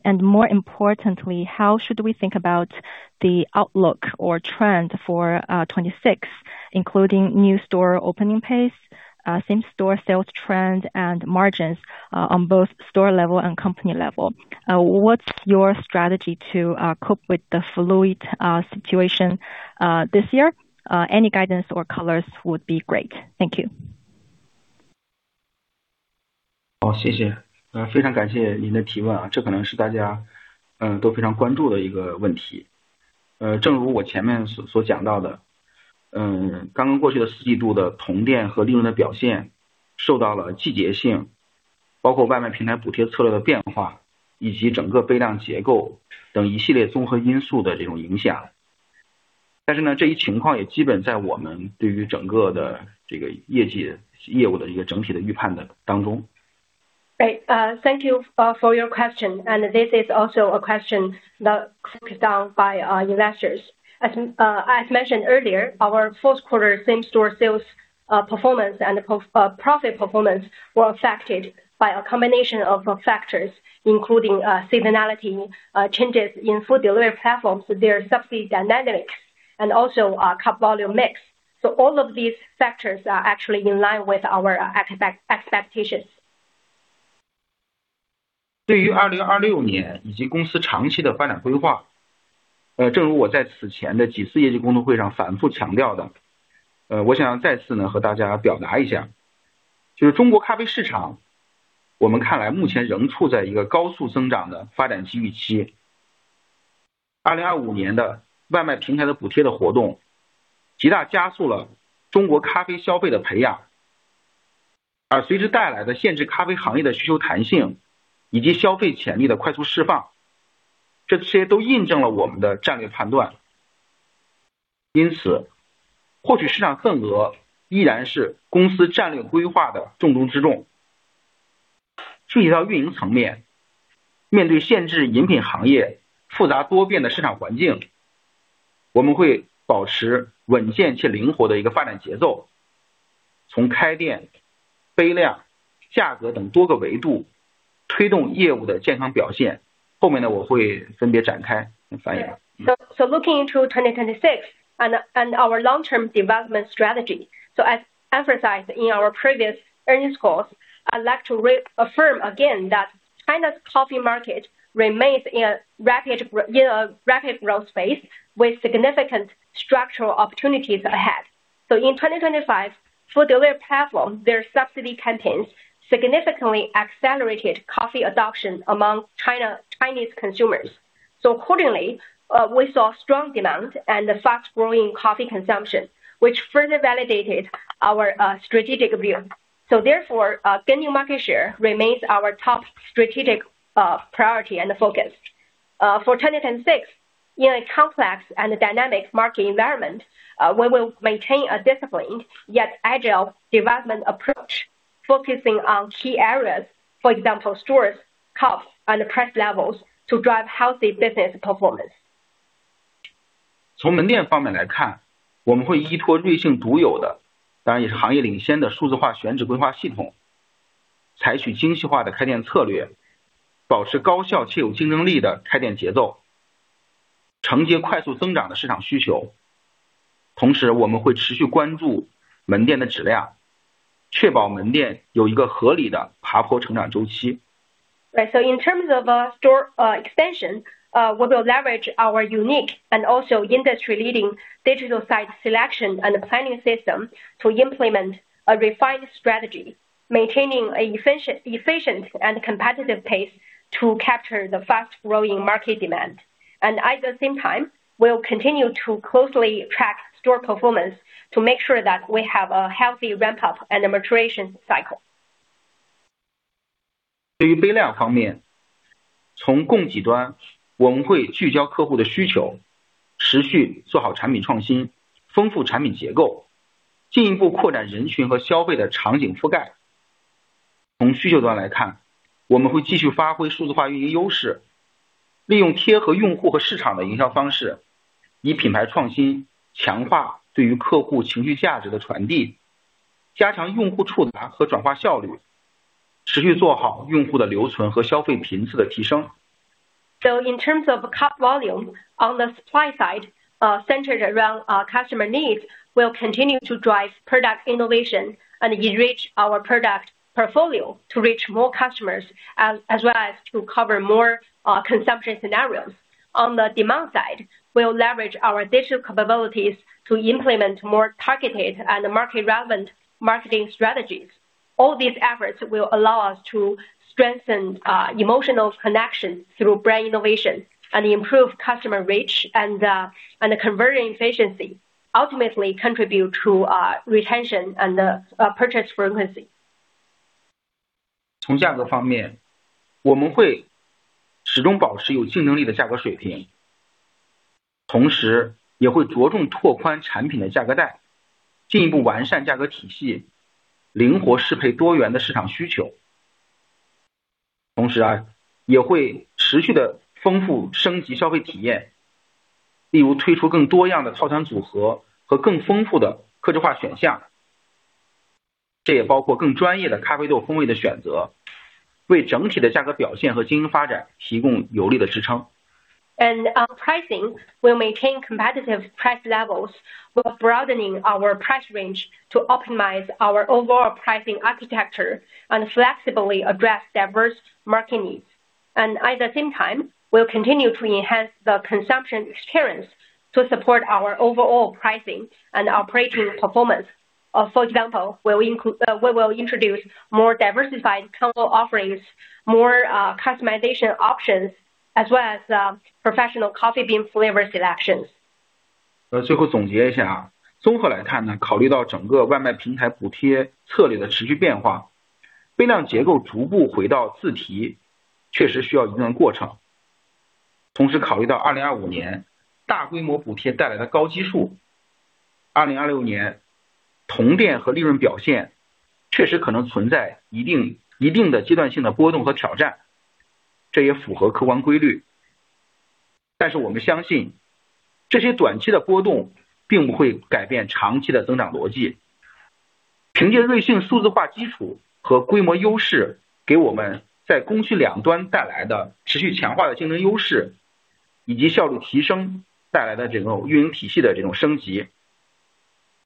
you, Jinyi Guo, Jing An, Nancy Song, Jessie Xu. Thank you for your question. This is also a question that is down by our investors. As mentioned earlier, our fourth quarter same-store sales performance and profit performance were affected by a combination of factors, including seasonality, changes in food delivery platforms, their subsidy dynamics, and also cup volume mix. All of these factors are actually in line with our expectations. ...正如我在此前的几次业绩沟通会上反复强调 的， 我想再次呢和大家表达 一下， 就是中国咖啡 市场， 我们看来目前仍处在一个高速增长的发展机遇 期. 2025年的外卖平台的补贴的 活动， 极大加速了中国咖啡消费的 培养， 而随之带来的限制咖啡行业的需求弹性以及消费潜力的快速 释放， 这些都印证了我们的战略 判断. 获取市场份额依然是公司战略规划的 重中之重. 具体到运营 层面， 面对限制饮品行业复杂多变的市场 环境， 我们会保持稳健且灵活的一个发展 节奏， 从开店、杯量、价格等多个维度推动业务的健康 表现. 后面， 我会分别展开来 翻译. Looking into 2006 and our long term development strategy. As emphasize in our previous earnings course, I'd like to re-affirm again that China's coffee market remains in a rapid growth phase with significant structural opportunities ahead. In 2005, food delivery platform, their subsidy campaigns significantly accelerated coffee adoption among Chinese consumers. Accordingly, we saw strong demand and fast growing coffee consumption, which further validated our strategic view. Therefore, gaining market share remains our top strategic priority and focus. For 2006, in a complex and dynamic market environment, we will maintain a disciplined yet agile development approach, focusing on key areas, for example, stores, cups and price levels to drive healthy business performance. 从门店方面来 看， 我们会依托瑞幸独有 的， 当然也是行业领先的数字化选址规划系 统， 采取精细化的开店策 略， 保持高效且有竞争力的开店节 奏， 承接快速增长的市场需求。同 时， 我们会持续关注门店的质 量， 确保门店有一个合理的爬坡成长周期。In terms of store expansion, we will leverage our unique and also industry leading digital site selection and planning system to implement a refined strategy, maintaining an efficient and competitive pace to capture the fast-growing market demand. At the same time, we'll continue to closely track store performance to make sure that we have a healthy ramp up and maturation cycle. 对于杯量方 面， 从供给 端， 我们会聚焦客户的需 求， 持续做好产品创 新， 丰富产品结 构， 进一步扩展人群和消费的场景覆 盖. 从需求端来 看， 我们会继续发挥数字化运营优 势， 利用贴合用户和市场的营销方 式， 以品牌创新强化对于客户情绪价值的传 递， 加强用户触达和转化效 率， 持续做好用户的留存和消费频次的提 升. In terms of cup volume on the supply side, centered around our customer needs, we'll continue to drive product innovation and enrich our product portfolio to reach more customers as well as to cover more consumption scenarios. On the demand side, we'll leverage our digital capabilities to implement more targeted and market relevant marketing strategies. All these efforts will allow us to strengthen emotional connection through brand innovation and improve customer reach and conversion efficiency, ultimately contribute to retention and purchase frequency. 呃最后总结一下 啊， 综合来看 呢， 考虑到整个外卖平台补贴策略的持续变 化， 杯量结构逐步回到自提确实需要一定的过程。同时考虑到2025年大规模补贴带来的高基数 ，2026 年同店和利润表现确实可能存在一 定， 一定的阶段性的波动和挑战，这也符合客观规律。但是我们相 信， 这些短期的波动并不会改变长期的增长逻辑。凭借瑞幸数字化基础和规模优 势， 给我们在供需两端带来的持续强化的竞争优 势， 以及效率提升带来的这种运营体系的这种升 级。...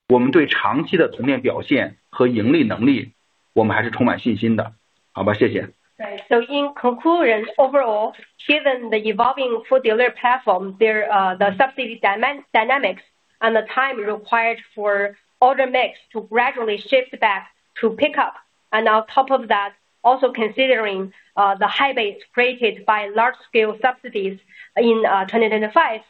我们对长期的同店表现和盈利能 力， 我们还是充满信心 的， 好吧，谢谢。In conclusion, overall, given the evolving food delivery platform there, the subsidy dynamics and the time required for order mix to gradually shift back to pick up. On top of that, also considering the high-scale base created by large-scale subsidies in 2025,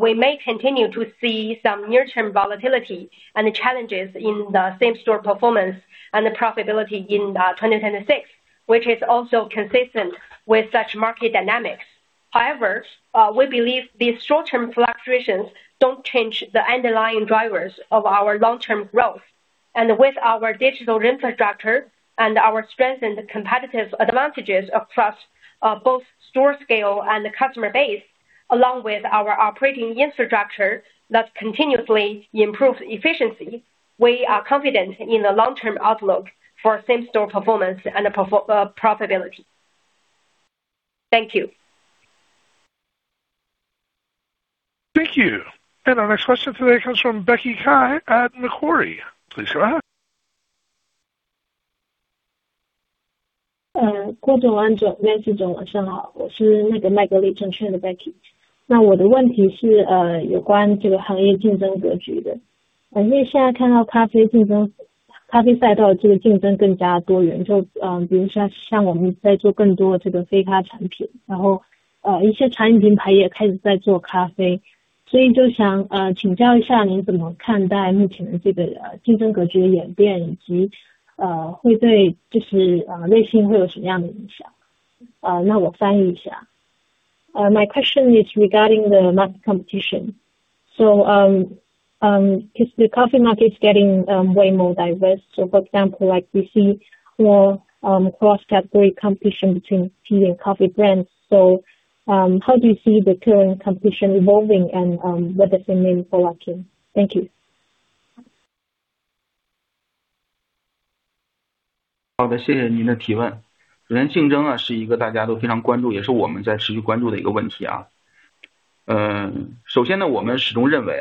we may continue to see some near-term volatility and challenges in the same store performance and the profitability in 2026, which is also consistent with such market dynamics. However, we believe these short-term fluctuations don't change the underlying drivers of our long-term growth, and with our digital infrastructure and our strengthened competitive advantages across both store scale and customer base, along with our operating infrastructure that continuously improves efficiency, we are confident in the long-term outlook for same-store performance and profitability. Thank you! Thank you. Our next question today comes from Becky Cai at Macquarie. Please go ahead. 郭 总，王 总，谢 谢 总，晚 上 好，我 是 Macquarie 的 Becky Cai。我 的问题是有关这个行业竞争格局的。我们现在看到咖啡竞 争，咖 啡赛道的这个竞争更加多 元，比 如像我们在做更多的这个非咖产 品，一 些餐饮品牌也开始在做咖啡。想请教一 下，您 怎么看待目前的这个竞争格局的演 变，以 及会对 Luckin Coffee 会有什么样的影 响？我 翻译一 下。My question is regarding the market competition. Because the coffee market is getting way more diverse. For example, like we see more cross-category competition between tea and coffee brands. How do you see the current competition evolving and what does it mean for Luckin? Thank you. 好 的， 谢谢您的提问。首先竞争 啊， 是一个大家都非常关 注， 也是我们在持续关注的一个问题啊。呃， 首先 呢， 我们始终认为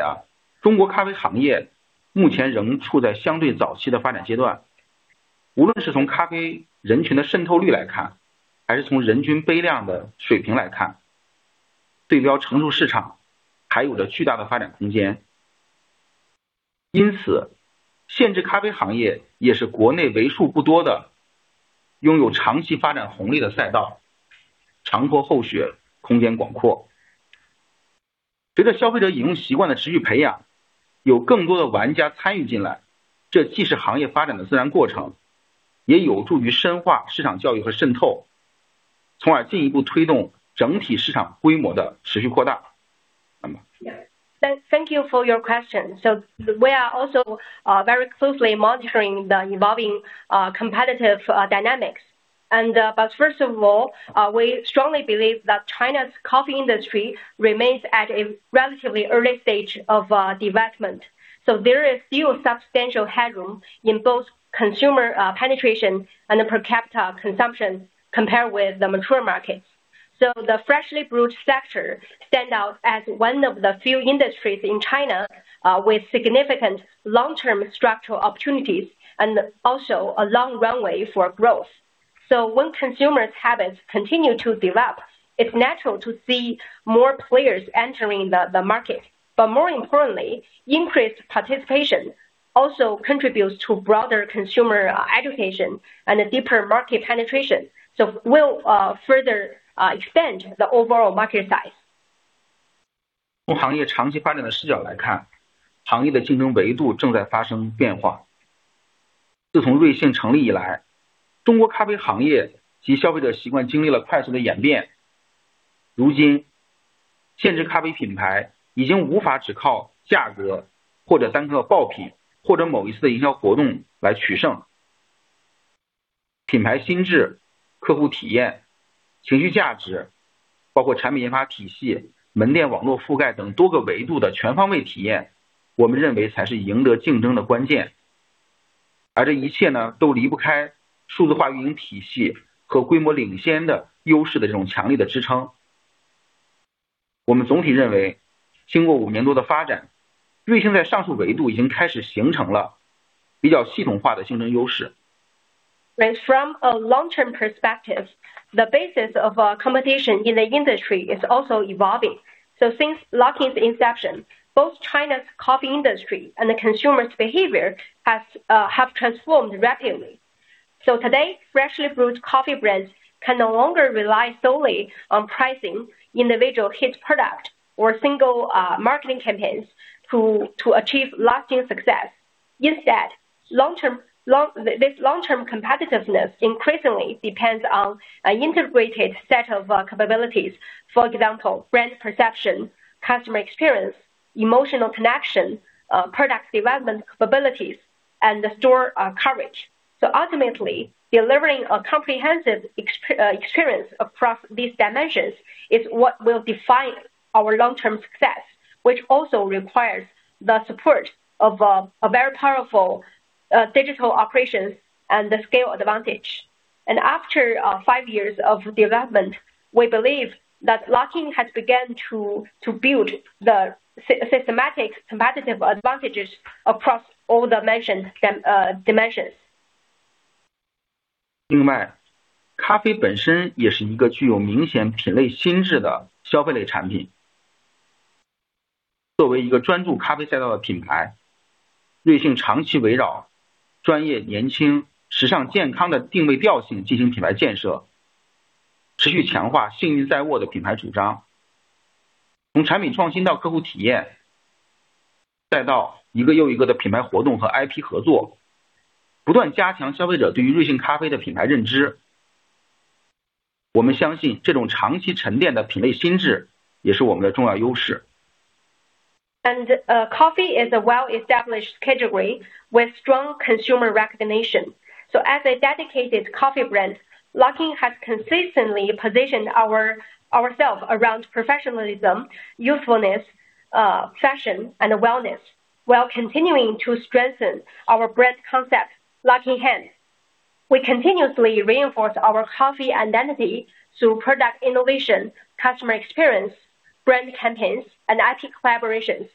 啊， 中国咖啡行业目前仍处在相对早期的发展阶 段， 无论是从咖啡人群的渗透率来 看， 还是从人均杯量的水平来 看， 对标成熟市场还有着巨大的发展空间。因 此， 现制咖啡行业也是国内为数不多的拥有长期发展红利的赛 道， 长坡厚 雪， 空间广阔。随着消费者饮用习惯的持续培养，有更多的玩家参与进 来， 这既是行业发展的自然过 程， 也有助于深化市场教育和渗 透， 从而进一步推动整体市场规模的持续扩大。那么—— Thank you for your question. We are also very closely monitoring the evolving competitive dynamics. First of all, we strongly believe that China's coffee industry remains at a relatively early stage of development, so there is still substantial headroom in both consumer penetration and per capita consumption compared with the mature markets. The freshly brewed sector stands out as one of the few industries in China with significant long-term structural opportunities and also a long runway for growth. When consumers habits continue to develop, it's natural to see more players entering the market. More importantly, increased participation also contributes to broader consumer education and a deeper market penetration, will further expand the overall market size. 从行业长期发展的视角 来看， 行业的竞争维度正在发生变化。自从瑞幸成立 以来， 中国咖啡行业及消费者习惯经历了快速的演变。如今， 现制咖啡品牌已经无法只靠 价格， 或者单个的 爆品， 或者某一次的营销活动来取胜。品牌心智、客户体验、情绪 价值， 包括产品研发体系、门店网络覆盖等多个维度的全方位 体验， 我们认为才是赢得竞争的关键。而这一切 呢， 都离不开数字化运营体系和规模领先的优势的这种强力的支撑。我们总体 认为， 经过五年多的 发展， 瑞幸在上述维度已经开始形成了比较系统化的竞争优势。From a long term perspective, the basis of competition in the industry is also evolving. Since Luckin's inception, both China's coffee industry and the consumers behavior have transformed rapidly. Today, freshly brewed coffee brands can no longer rely solely on pricing, individual hit product or single marketing campaigns to achieve lasting success. Instead, long term competitiveness increasingly depends on an integrated set of capabilities. For example, brand perception, customer experience, emotional connection, product development capabilities, and the store coverage. Ultimately, delivering a comprehensive experience across these dimensions is what will define our long term success, which also requires the support of a very powerful digital operations and the scale advantage. After five years of development, we believe that Luckin has begun to build the systematic competitive advantages across all the mentioned dimensions. 另 外， 咖啡本身也是一个具有明显品类心智的消费类产品。作为一个专注咖啡赛道的品 牌， 瑞幸长期围绕专业、年轻、时尚、健康的定位调性进行品牌建 设， 持续强化信誉在握的品牌主 张， 从产品创新到客户体 验， 再到一个又一个的品牌活动和 IP 合作，不断加强消费者对于瑞幸咖啡的品牌认知。我们相信这种长期沉淀的品类心 智， 也是我们的重要优势。Coffee is a well-established category with strong consumer recognition. As a dedicated coffee brand, Luckin has consistently positioned ourselves around professionalism, youthfulness, fashion, and wellness, while continuing to strengthen our brand concept, Luck in hand. We continuously reinforce our coffee identity through product innovation, customer experience, brand campaigns, and IP collaborations.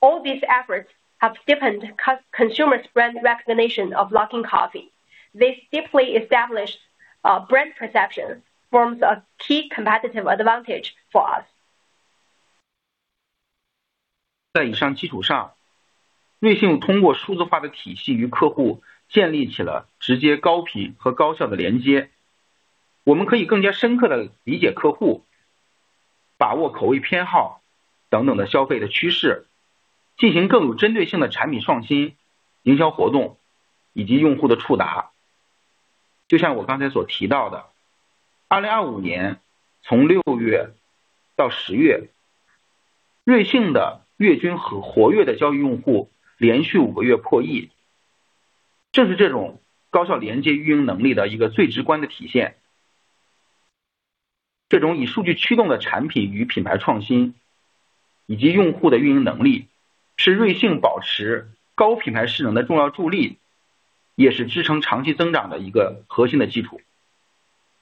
All these efforts have deepened consumers' brand recognition of Luckin Coffee. This deeply established brand perception forms a key competitive advantage for us. 在以上基础 上，瑞幸 通过 数字化的体系，与 客户建立起了直接、高频和 高效的连接，我们 可以更加深刻地理解 客户，把握 口味偏好等等的 消费的趋势，进行 更有针对性的 产品创新、营销活动，以及 用户的触达。就像我刚才所 提到的，2025年 从 6月 到 10月，瑞幸 的月均和活跃的交易用户连续 5个月 破亿，正是 这种高效连接运营能力的一个最直观的体现。这种以数据驱动的产品与 品牌创新，以及 用户的 运营能力，是 瑞幸保持高品牌势能的重要 助力，也是 支撑长期增长的一个核心的基础。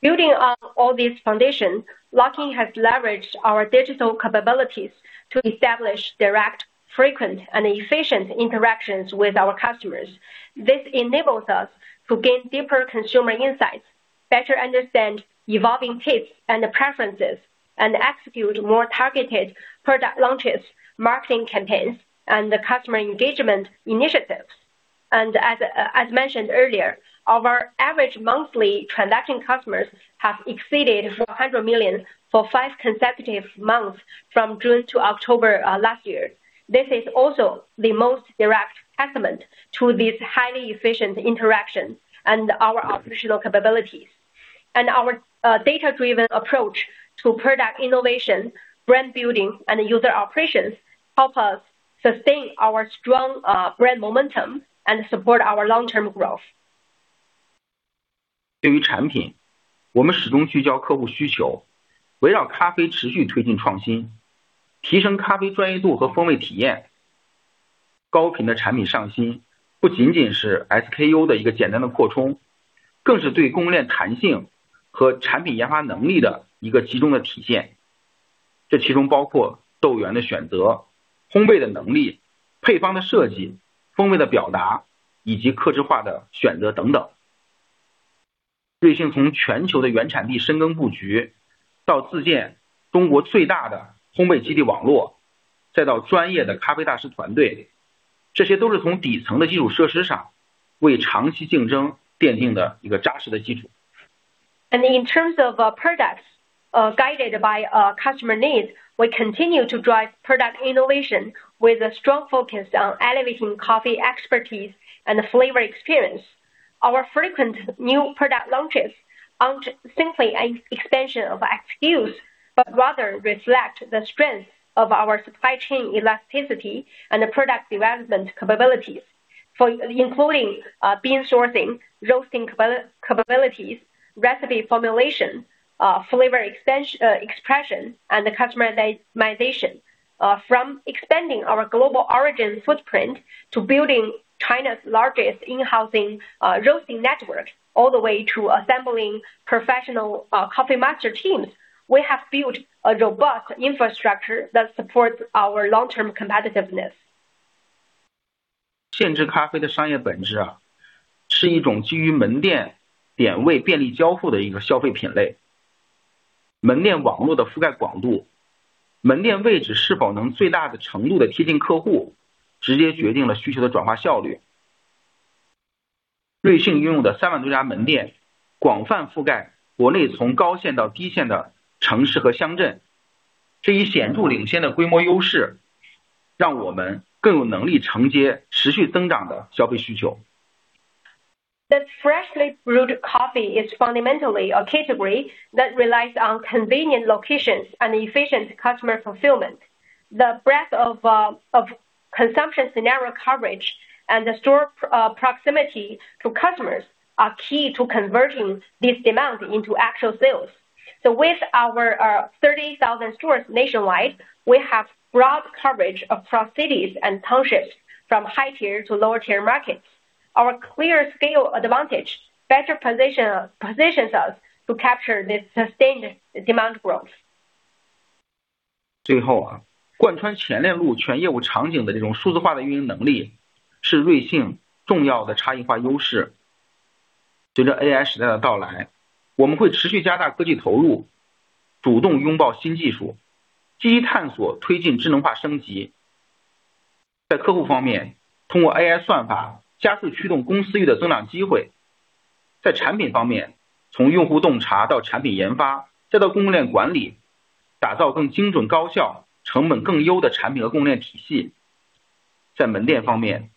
Building on all these foundations, Luckin has leveraged our digital capabilities to establish direct, frequent, and efficient interactions with our customers. This enables us to gain deeper consumer insights, better understand evolving tastes and preferences, and execute more targeted product launches, marketing campaigns, and customer engagement initiatives. As mentioned earlier, our average monthly transaction customers have exceeded 400 million for five consecutive months from June to October last year. This is also the most direct testament to these highly efficient interactions and our operational capabilities. Our data-driven approach to product innovation, brand building, and user operations, help us sustain our strong brand momentum and support our long-term growth. 对于产 品， 我们始终聚焦客户需 求， 围绕咖啡持续推进创 新， 提升咖啡专业度和风味体验。高频的产品上 新， 不仅仅是 SKU 的一个简单的扩 充， 更是对供应链弹性和产品研发能力的一个集中的体 现， 这其中包括豆源的选择、烘焙的能力、配方的设计、风味的表 达， 以及客制化的选择等等。瑞幸从全球的原产地深耕布 局， 到自建中国最大的烘焙基地网 络， 再到专业的咖啡大师团 队， 这些都是从底层的基础设施上为长期竞争奠定了一个扎实的基础。In terms of products, guided by customer needs, we continue to drive product innovation with a strong focus on elevating coffee expertise and flavor experience. Our frequent new product launches aren't simply an extension of SKUs, but rather reflect the strength of our supply chain elasticity and product development capabilities. For including bean sourcing, roasting capabilities, recipe formulation, flavor expression, and customization. From expanding our global origin footprint to building China's largest in-housing roasting network, all the way to assembling professional coffee master teams, we have built a robust infrastructure that supports our long-term competitiveness. 现制咖啡的商业本质 啊， 是一种基于门店、点位便利交付的一个消费品类。门店网络的覆盖广 度， 门店位置是否能最大程度地贴近客 户， 直接决定了需求的转化效率。瑞幸拥有的 30,000+ 家门 店， 广泛覆盖国内从高线到低线的城市和乡 镇， 这一显著领先的规模优 势， 让我们更有能力承接持续增长的消费需求。The freshly brewed coffee is fundamentally a category that relies on convenient locations and efficient customer fulfillment. The breadth of consumption, scenario coverage, and the store proximity to customers are key to converting these demands into actual sales. With our 30,000 stores nationwide, we have broad coverage across cities and townships, from high-tier to lower-tier markets. Our clear scale advantage better positions us to capture this sustained demand growth. 最后 啊, 贯穿全链路全业务场景的这种数字化的运营能 力, 是瑞幸重要的差异化优 势. 随着 AI 时代的到 来, 我们会持续加大科技投 入, 主动拥抱新技 术, 积极探 索, 推进智能化升 级. 在客户方 面, 通过 AI 算法加速驱动公司里的增长机 会. 在产品方 面, 从用户洞察到产品研 发, 再到供应链管 理, 打造更精 准, 高 效, 成本更优的产品和供应链体 系. 在门店方 面,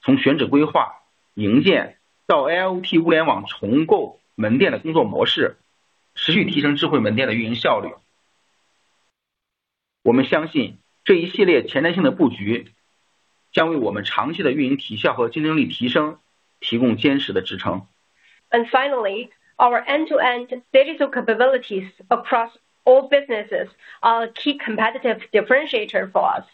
从选址规 划, 营建到 IoT 物联网重构门店的工作模 式, 持续提升智慧门店的运营效 率. 我们相 信, 这一系列前瞻性的布 局, 将为我们长期的运营绩效和竞争力提升提供坚实的支 撑. Finally, our end-to-end digital capabilities across all businesses are a key competitive differentiator for us.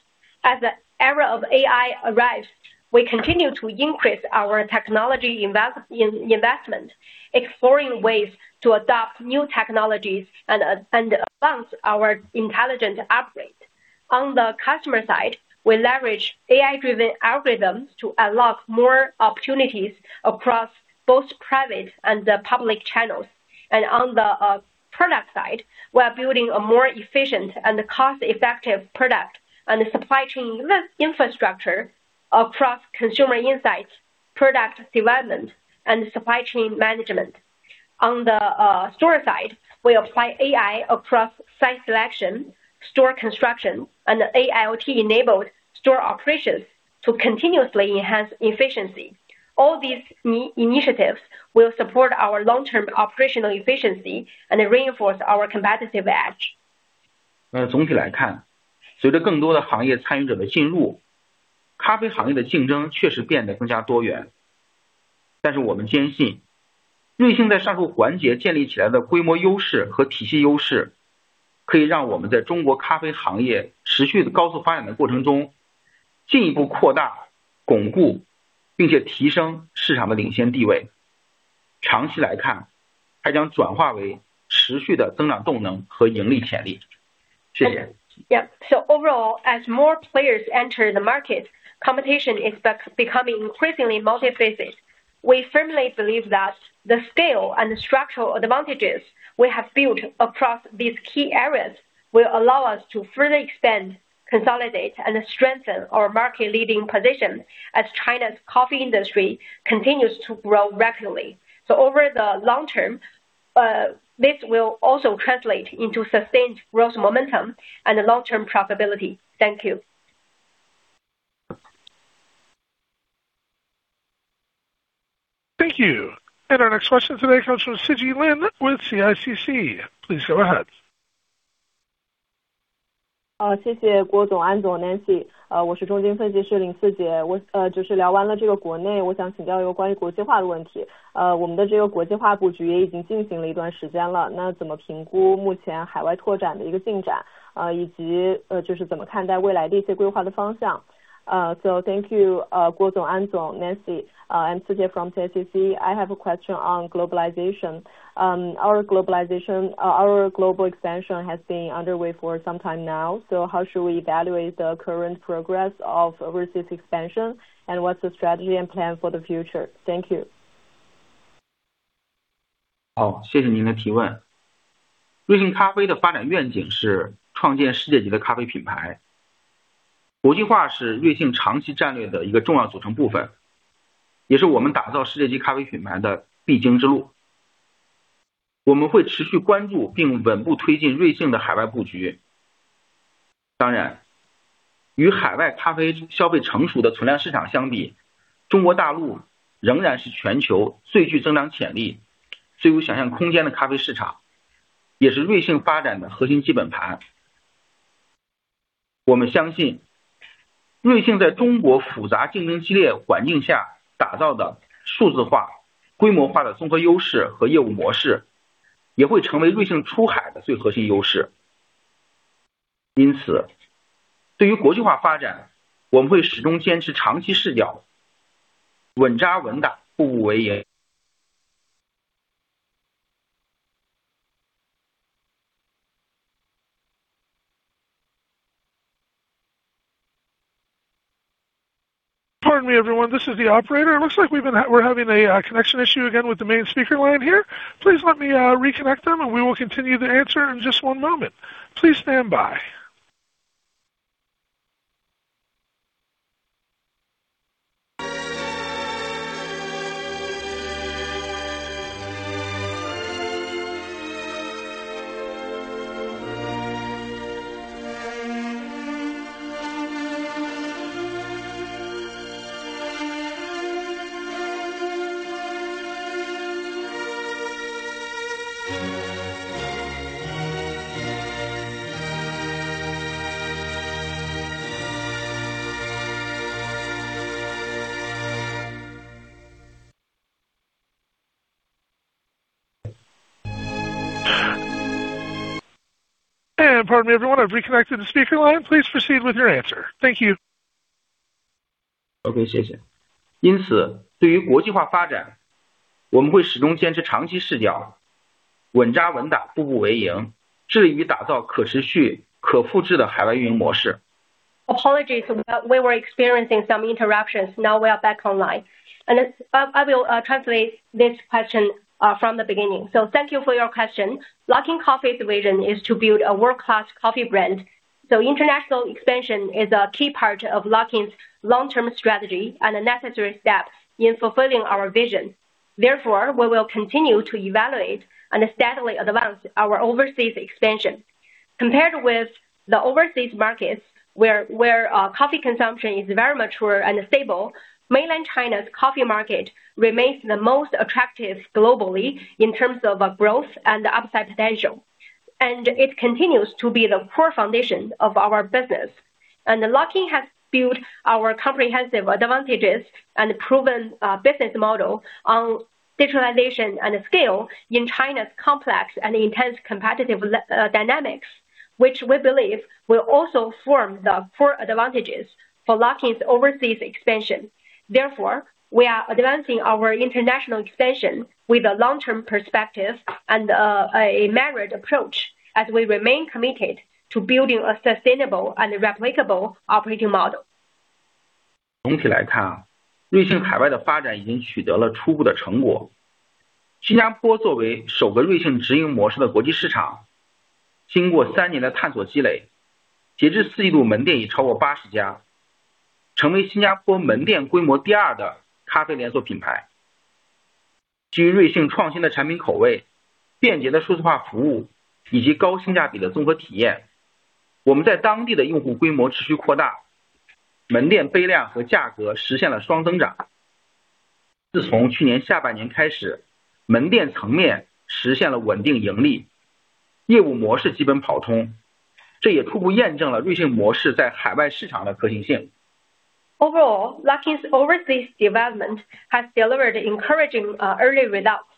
As the era of AI arrives, we continue to increase our technology investment, exploring ways to adopt new technologies and advance our intelligent upgrade. On the customer side, we leverage AI-driven algorithms to unlock more opportunities across both private and public channels. On the product side, we are building a more efficient and cost-effective product and supply chain in infrastructure across consumer insights, product development, and supply chain management. On the store side, we apply AI across site selection, store construction, and AIoT-enabled store operations to continuously enhance efficiency. All these initiatives will support our long-term operational efficiency and reinforce our competitive edge. 总体来 看， 随着更多的行业参与者的进 入， 咖啡行业的竞争确实变得更加多元。我们坚 信， 瑞幸在上述环节建立起来的规模优势和体系优 势， 可以让我们在中国咖啡行业持续的高速发展的过程 中， 进一步扩大、巩固并且提升市场的领先地 位， 长期来 看， 还将转化为持续的增长动能和盈利潜力。谢谢。Yeah. Overall, as more players enter the market, competition is becoming increasingly multifaceted. We firmly believe that the scale and structural advantages we have built across these key areas will allow us to further expand, consolidate, and strengthen our market leading position as China's coffee industry continues to grow rapidly. Over the long term, this will also translate into sustained growth momentum and long-term profitability. Thank you. Thank you. Our next question today comes from Sijie Lin with CICC. Please go ahead. 谢谢郭 总， 安 总， Nancy。我是 CICC 分析师 Sijie Lin， 就是聊完了这个国 内， 我想请教一个关于国际化的问题。我们的这个国际化布局也已经进行了一段时间 了， 那怎么评估目前海外拓展的一个进 展， 以 及， 就是怎么看待未来的一些规划的方向？ Thank you, 郭 总, 安 总, Nancy. I'm Siji from CICC. I have a question on globalization. Our global expansion has been underway for some time now. How should we evaluate the current progress of overseas expansion? What's the strategy and plan for the future? Thank you. 好， 谢谢您的提问。瑞幸咖啡的发展愿景是创建世界级的咖啡品牌，国际化是瑞幸长期战略的一个重要组成部 分， 也是我们打造世界级咖啡品牌的必经之路。我们会持续关注并稳步推进瑞幸的海外布局。当 然， 与海外咖啡消费成熟的存量市场相 比， 中国大陆仍然是全球最具增长潜力、最有想象空间的咖啡市 场， 也是瑞幸发展的核心基本盘。我们相信，瑞幸在中国复杂竞争激烈环境下打造的数字化、规模化的综合优势和业务模 式， 也会成为瑞幸出海的最核心优势。因 此， 对于国际化发 展， 我们会始终坚持长期视 角， 稳扎稳 打， 步步为营。Pardon me, everyone, this is the operator. It looks like we're having a connection issue again with the main speaker line here. Please let me reconnect them, and we will continue the answer in just one moment. Please stand by. Pardon me, everyone, I've reconnected the speaker line. Please proceed with your answer. Thank you. Okay, 谢谢。因 此， 对于国际化发 展， 我们会始终坚持长期视 角， 稳扎稳 打， 步步为 营， 致力于打造可持续可复制的海外运营模式。Apologies, we were experiencing some interruptions. Now we are back online. I will translate this question from the beginning. Thank you for your question. Luckin Coffee's vision is to build a world-class coffee brand, international expansion is a key part of Luckin's long-term strategy and a necessary step in fulfilling our vision. Therefore, we will continue to evaluate and steadily advance our overseas expansion. Compared with the overseas markets, where coffee consumption is very mature and stable, mainland China's coffee market remains the most attractive globally in terms of growth and upside potential, and it continues to be the core foundation of our business. Luckin has built our comprehensive advantages and proven business model on digitalization and scale in China's complex and intense competitive dynamics, which we believe will also form the core advantages for Luckin's overseas expansion. We are advancing our international expansion with a long-term perspective and a measured approach as we remain committed to building a sustainable and replicable operating model. 总体来 看， 瑞幸海外的发展已经取得了初步的成果。新加坡作为首个瑞幸直营模式的国际市 场， 经过三年的探索积 累， 截至四季度门店已超过八十 家， 成为新加坡门店规模第二的咖啡连锁品牌。基于瑞幸创新的产品口味、便捷的数字化服务以及高性价比的综合体 验， 我们在当地的用户规模持续扩 大， 门店杯量和价格实现了双增长。自从去年下半年开 始， 门店层面实现了稳定盈 利， 业务模式基本跑 通， 这也初步验证了瑞幸模式在海外市场的可行性。Overall, Luckin's overseas development has delivered encouraging early results.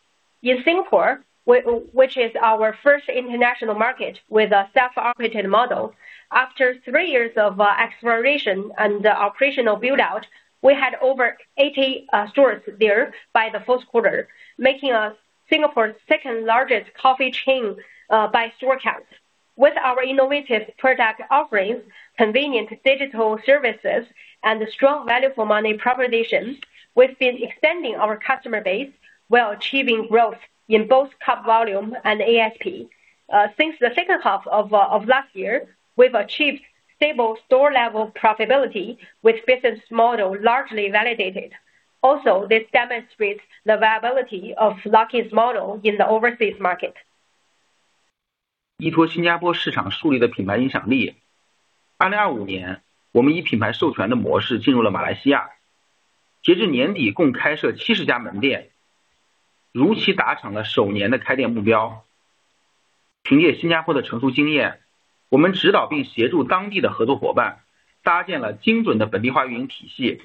In Singapore, which is our first international market with a self-operated model, after three years of exploration and operational buildout, we had over 80 stores there by the fourth quarter, making us Singapore's second-largest coffee chain by store count. With our innovative product offerings, convenient digital services, and strong value for money propositions, we've been expanding our customer base while achieving growth in both cup volume and ASP. Since the second half of last year, we've achieved stable store-level profitability, with business model largely validated. This demonstrates the viability of Luckin's model in the overseas market. 依托新加坡市场树立的品牌影响 力， 2025年我们以品牌授权的模式进入了马来西 亚， 截至年底共开设70家门 店， 如期达成了首年的开店目标。凭借新加坡的成熟经 验， 我们指导并协助当地的合作伙伴搭建了精准的本地化运营体 系，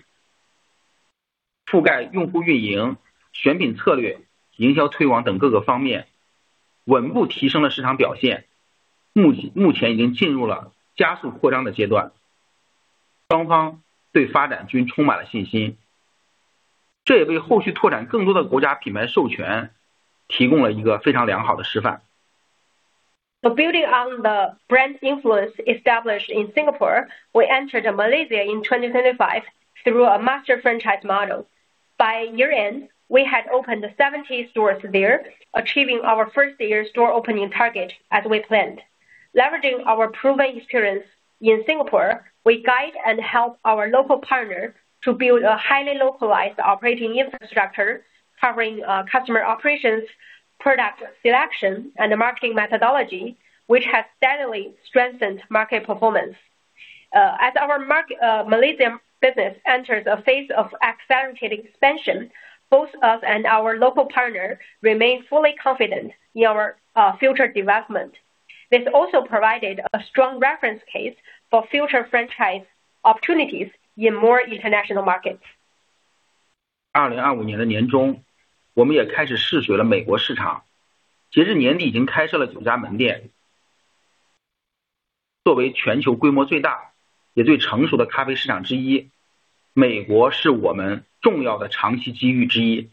覆盖用户运营、选品策略、营销推广等各个方 面， 稳步提升了市场表 现， 目前已经进入了加速扩张的阶段，双方对发展均充满了信 心， 这也为后续拓展更多的国家品牌授权提供了一个非常良好的示范。Building on the brand influence established in Singapore, we entered Malaysia in 2025 through a master franchise model. By year-end, we had opened 70 stores there, achieving our first-year store opening target as we planned. Leveraging our proven experience in Singapore, we guide and help our local partner to build a highly localized operating infrastructure, covering customer operations, product selection, and marketing methodology, which has steadily strengthened market performance. As our Malaysia business enters a phase of accelerated expansion, both us and our local partners remain fully confident in our future development. This also provided a strong reference case for future franchise opportunities in more international markets. 二零二五年的年 中， 我们也开始试水了美国市 场， 截至年底已经开设了九家门店。作为全球规模最大也最成熟的咖啡市场之 一， 美国是我们重要的长期机遇之一。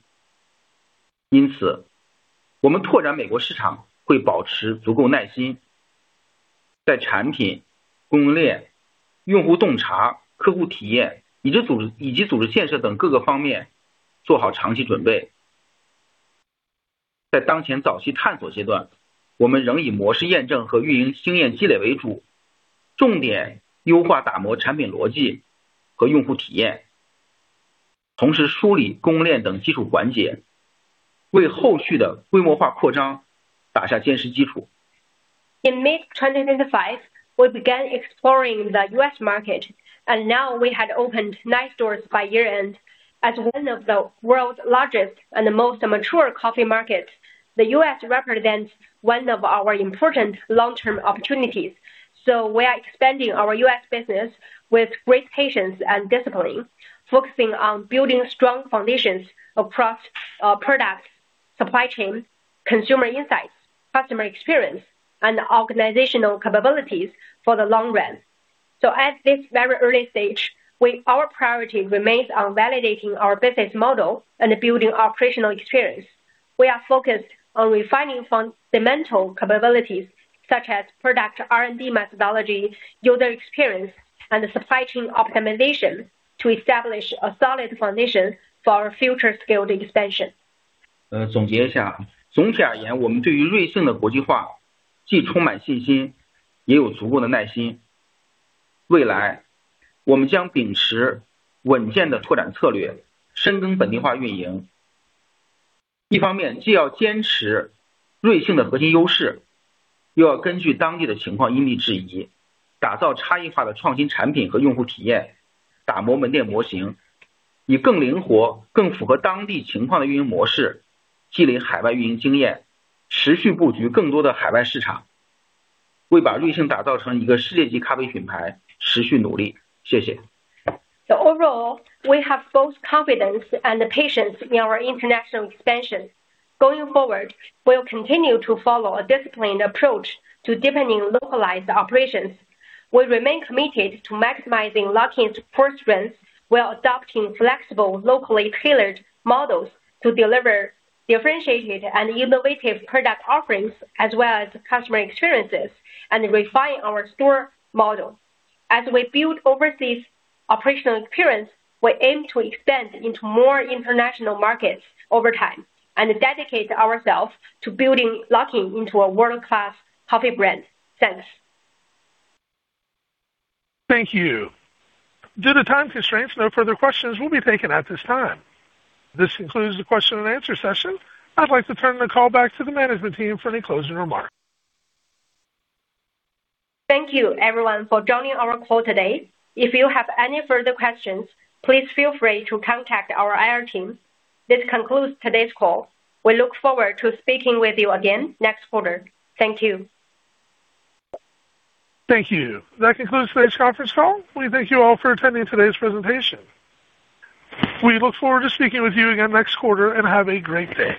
因 此， 我们拓展美国市场会保持足够耐 心， 在产品、供应链、用户洞察、客户体 验， 以及组 织， 以及组织建设等各个方面做好长期准备。在当前早期探索阶 段， 我们仍以模式验证和运营经验积累为 主， 重点优化打磨产品逻辑和用户体 验， 同时梳理供应链等基础环 节， 为后续的规模化扩张打下坚实基础。In mid-2025, we began exploring the U.S. market. Now we had opened nine stores by year-end. As one of the world's largest and most mature coffee markets, the U.S. represents one of our important long-term opportunities. We are expanding our U.S. business with great patience and discipline, focusing on building strong foundations across product, supply chain, consumer insights, customer experience, and organizational capabilities for the long run. At this very early stage, our priority remains on validating our business model and building operational experience. We are focused on refining fundamental capabilities such as product R&D methodology, user experience, and supply chain optimization to establish a solid foundation for our future scaled expansion. Uh, Overall, we have both confidence and the patience in our international expansion. Going forward, we'll continue to follow a disciplined approach to deepening localized operations. We remain committed to maximizing Luckin's core strengths, while adopting flexible, locally tailored models to deliver differentiated and innovative product offerings, as well as customer experiences, and refine our store model. As we build overseas operational experience, we aim to expand into more international markets over time, and dedicate ourselves to building Luckin into a world-class coffee brand. Thanks. Thank you. Due to time constraints, no further questions will be taken at this time. This concludes the question and answer session. I'd like to turn the call back to the management team for any closing remarks. Thank you, everyone, for joining our call today. If you have any further questions, please feel free to contact our IR team. This concludes today's call. We look forward to speaking with you again next quarter. Thank you. Thank you. That concludes today's conference call. We thank you all for attending today's presentation. We look forward to speaking with you again next quarter, and have a great day.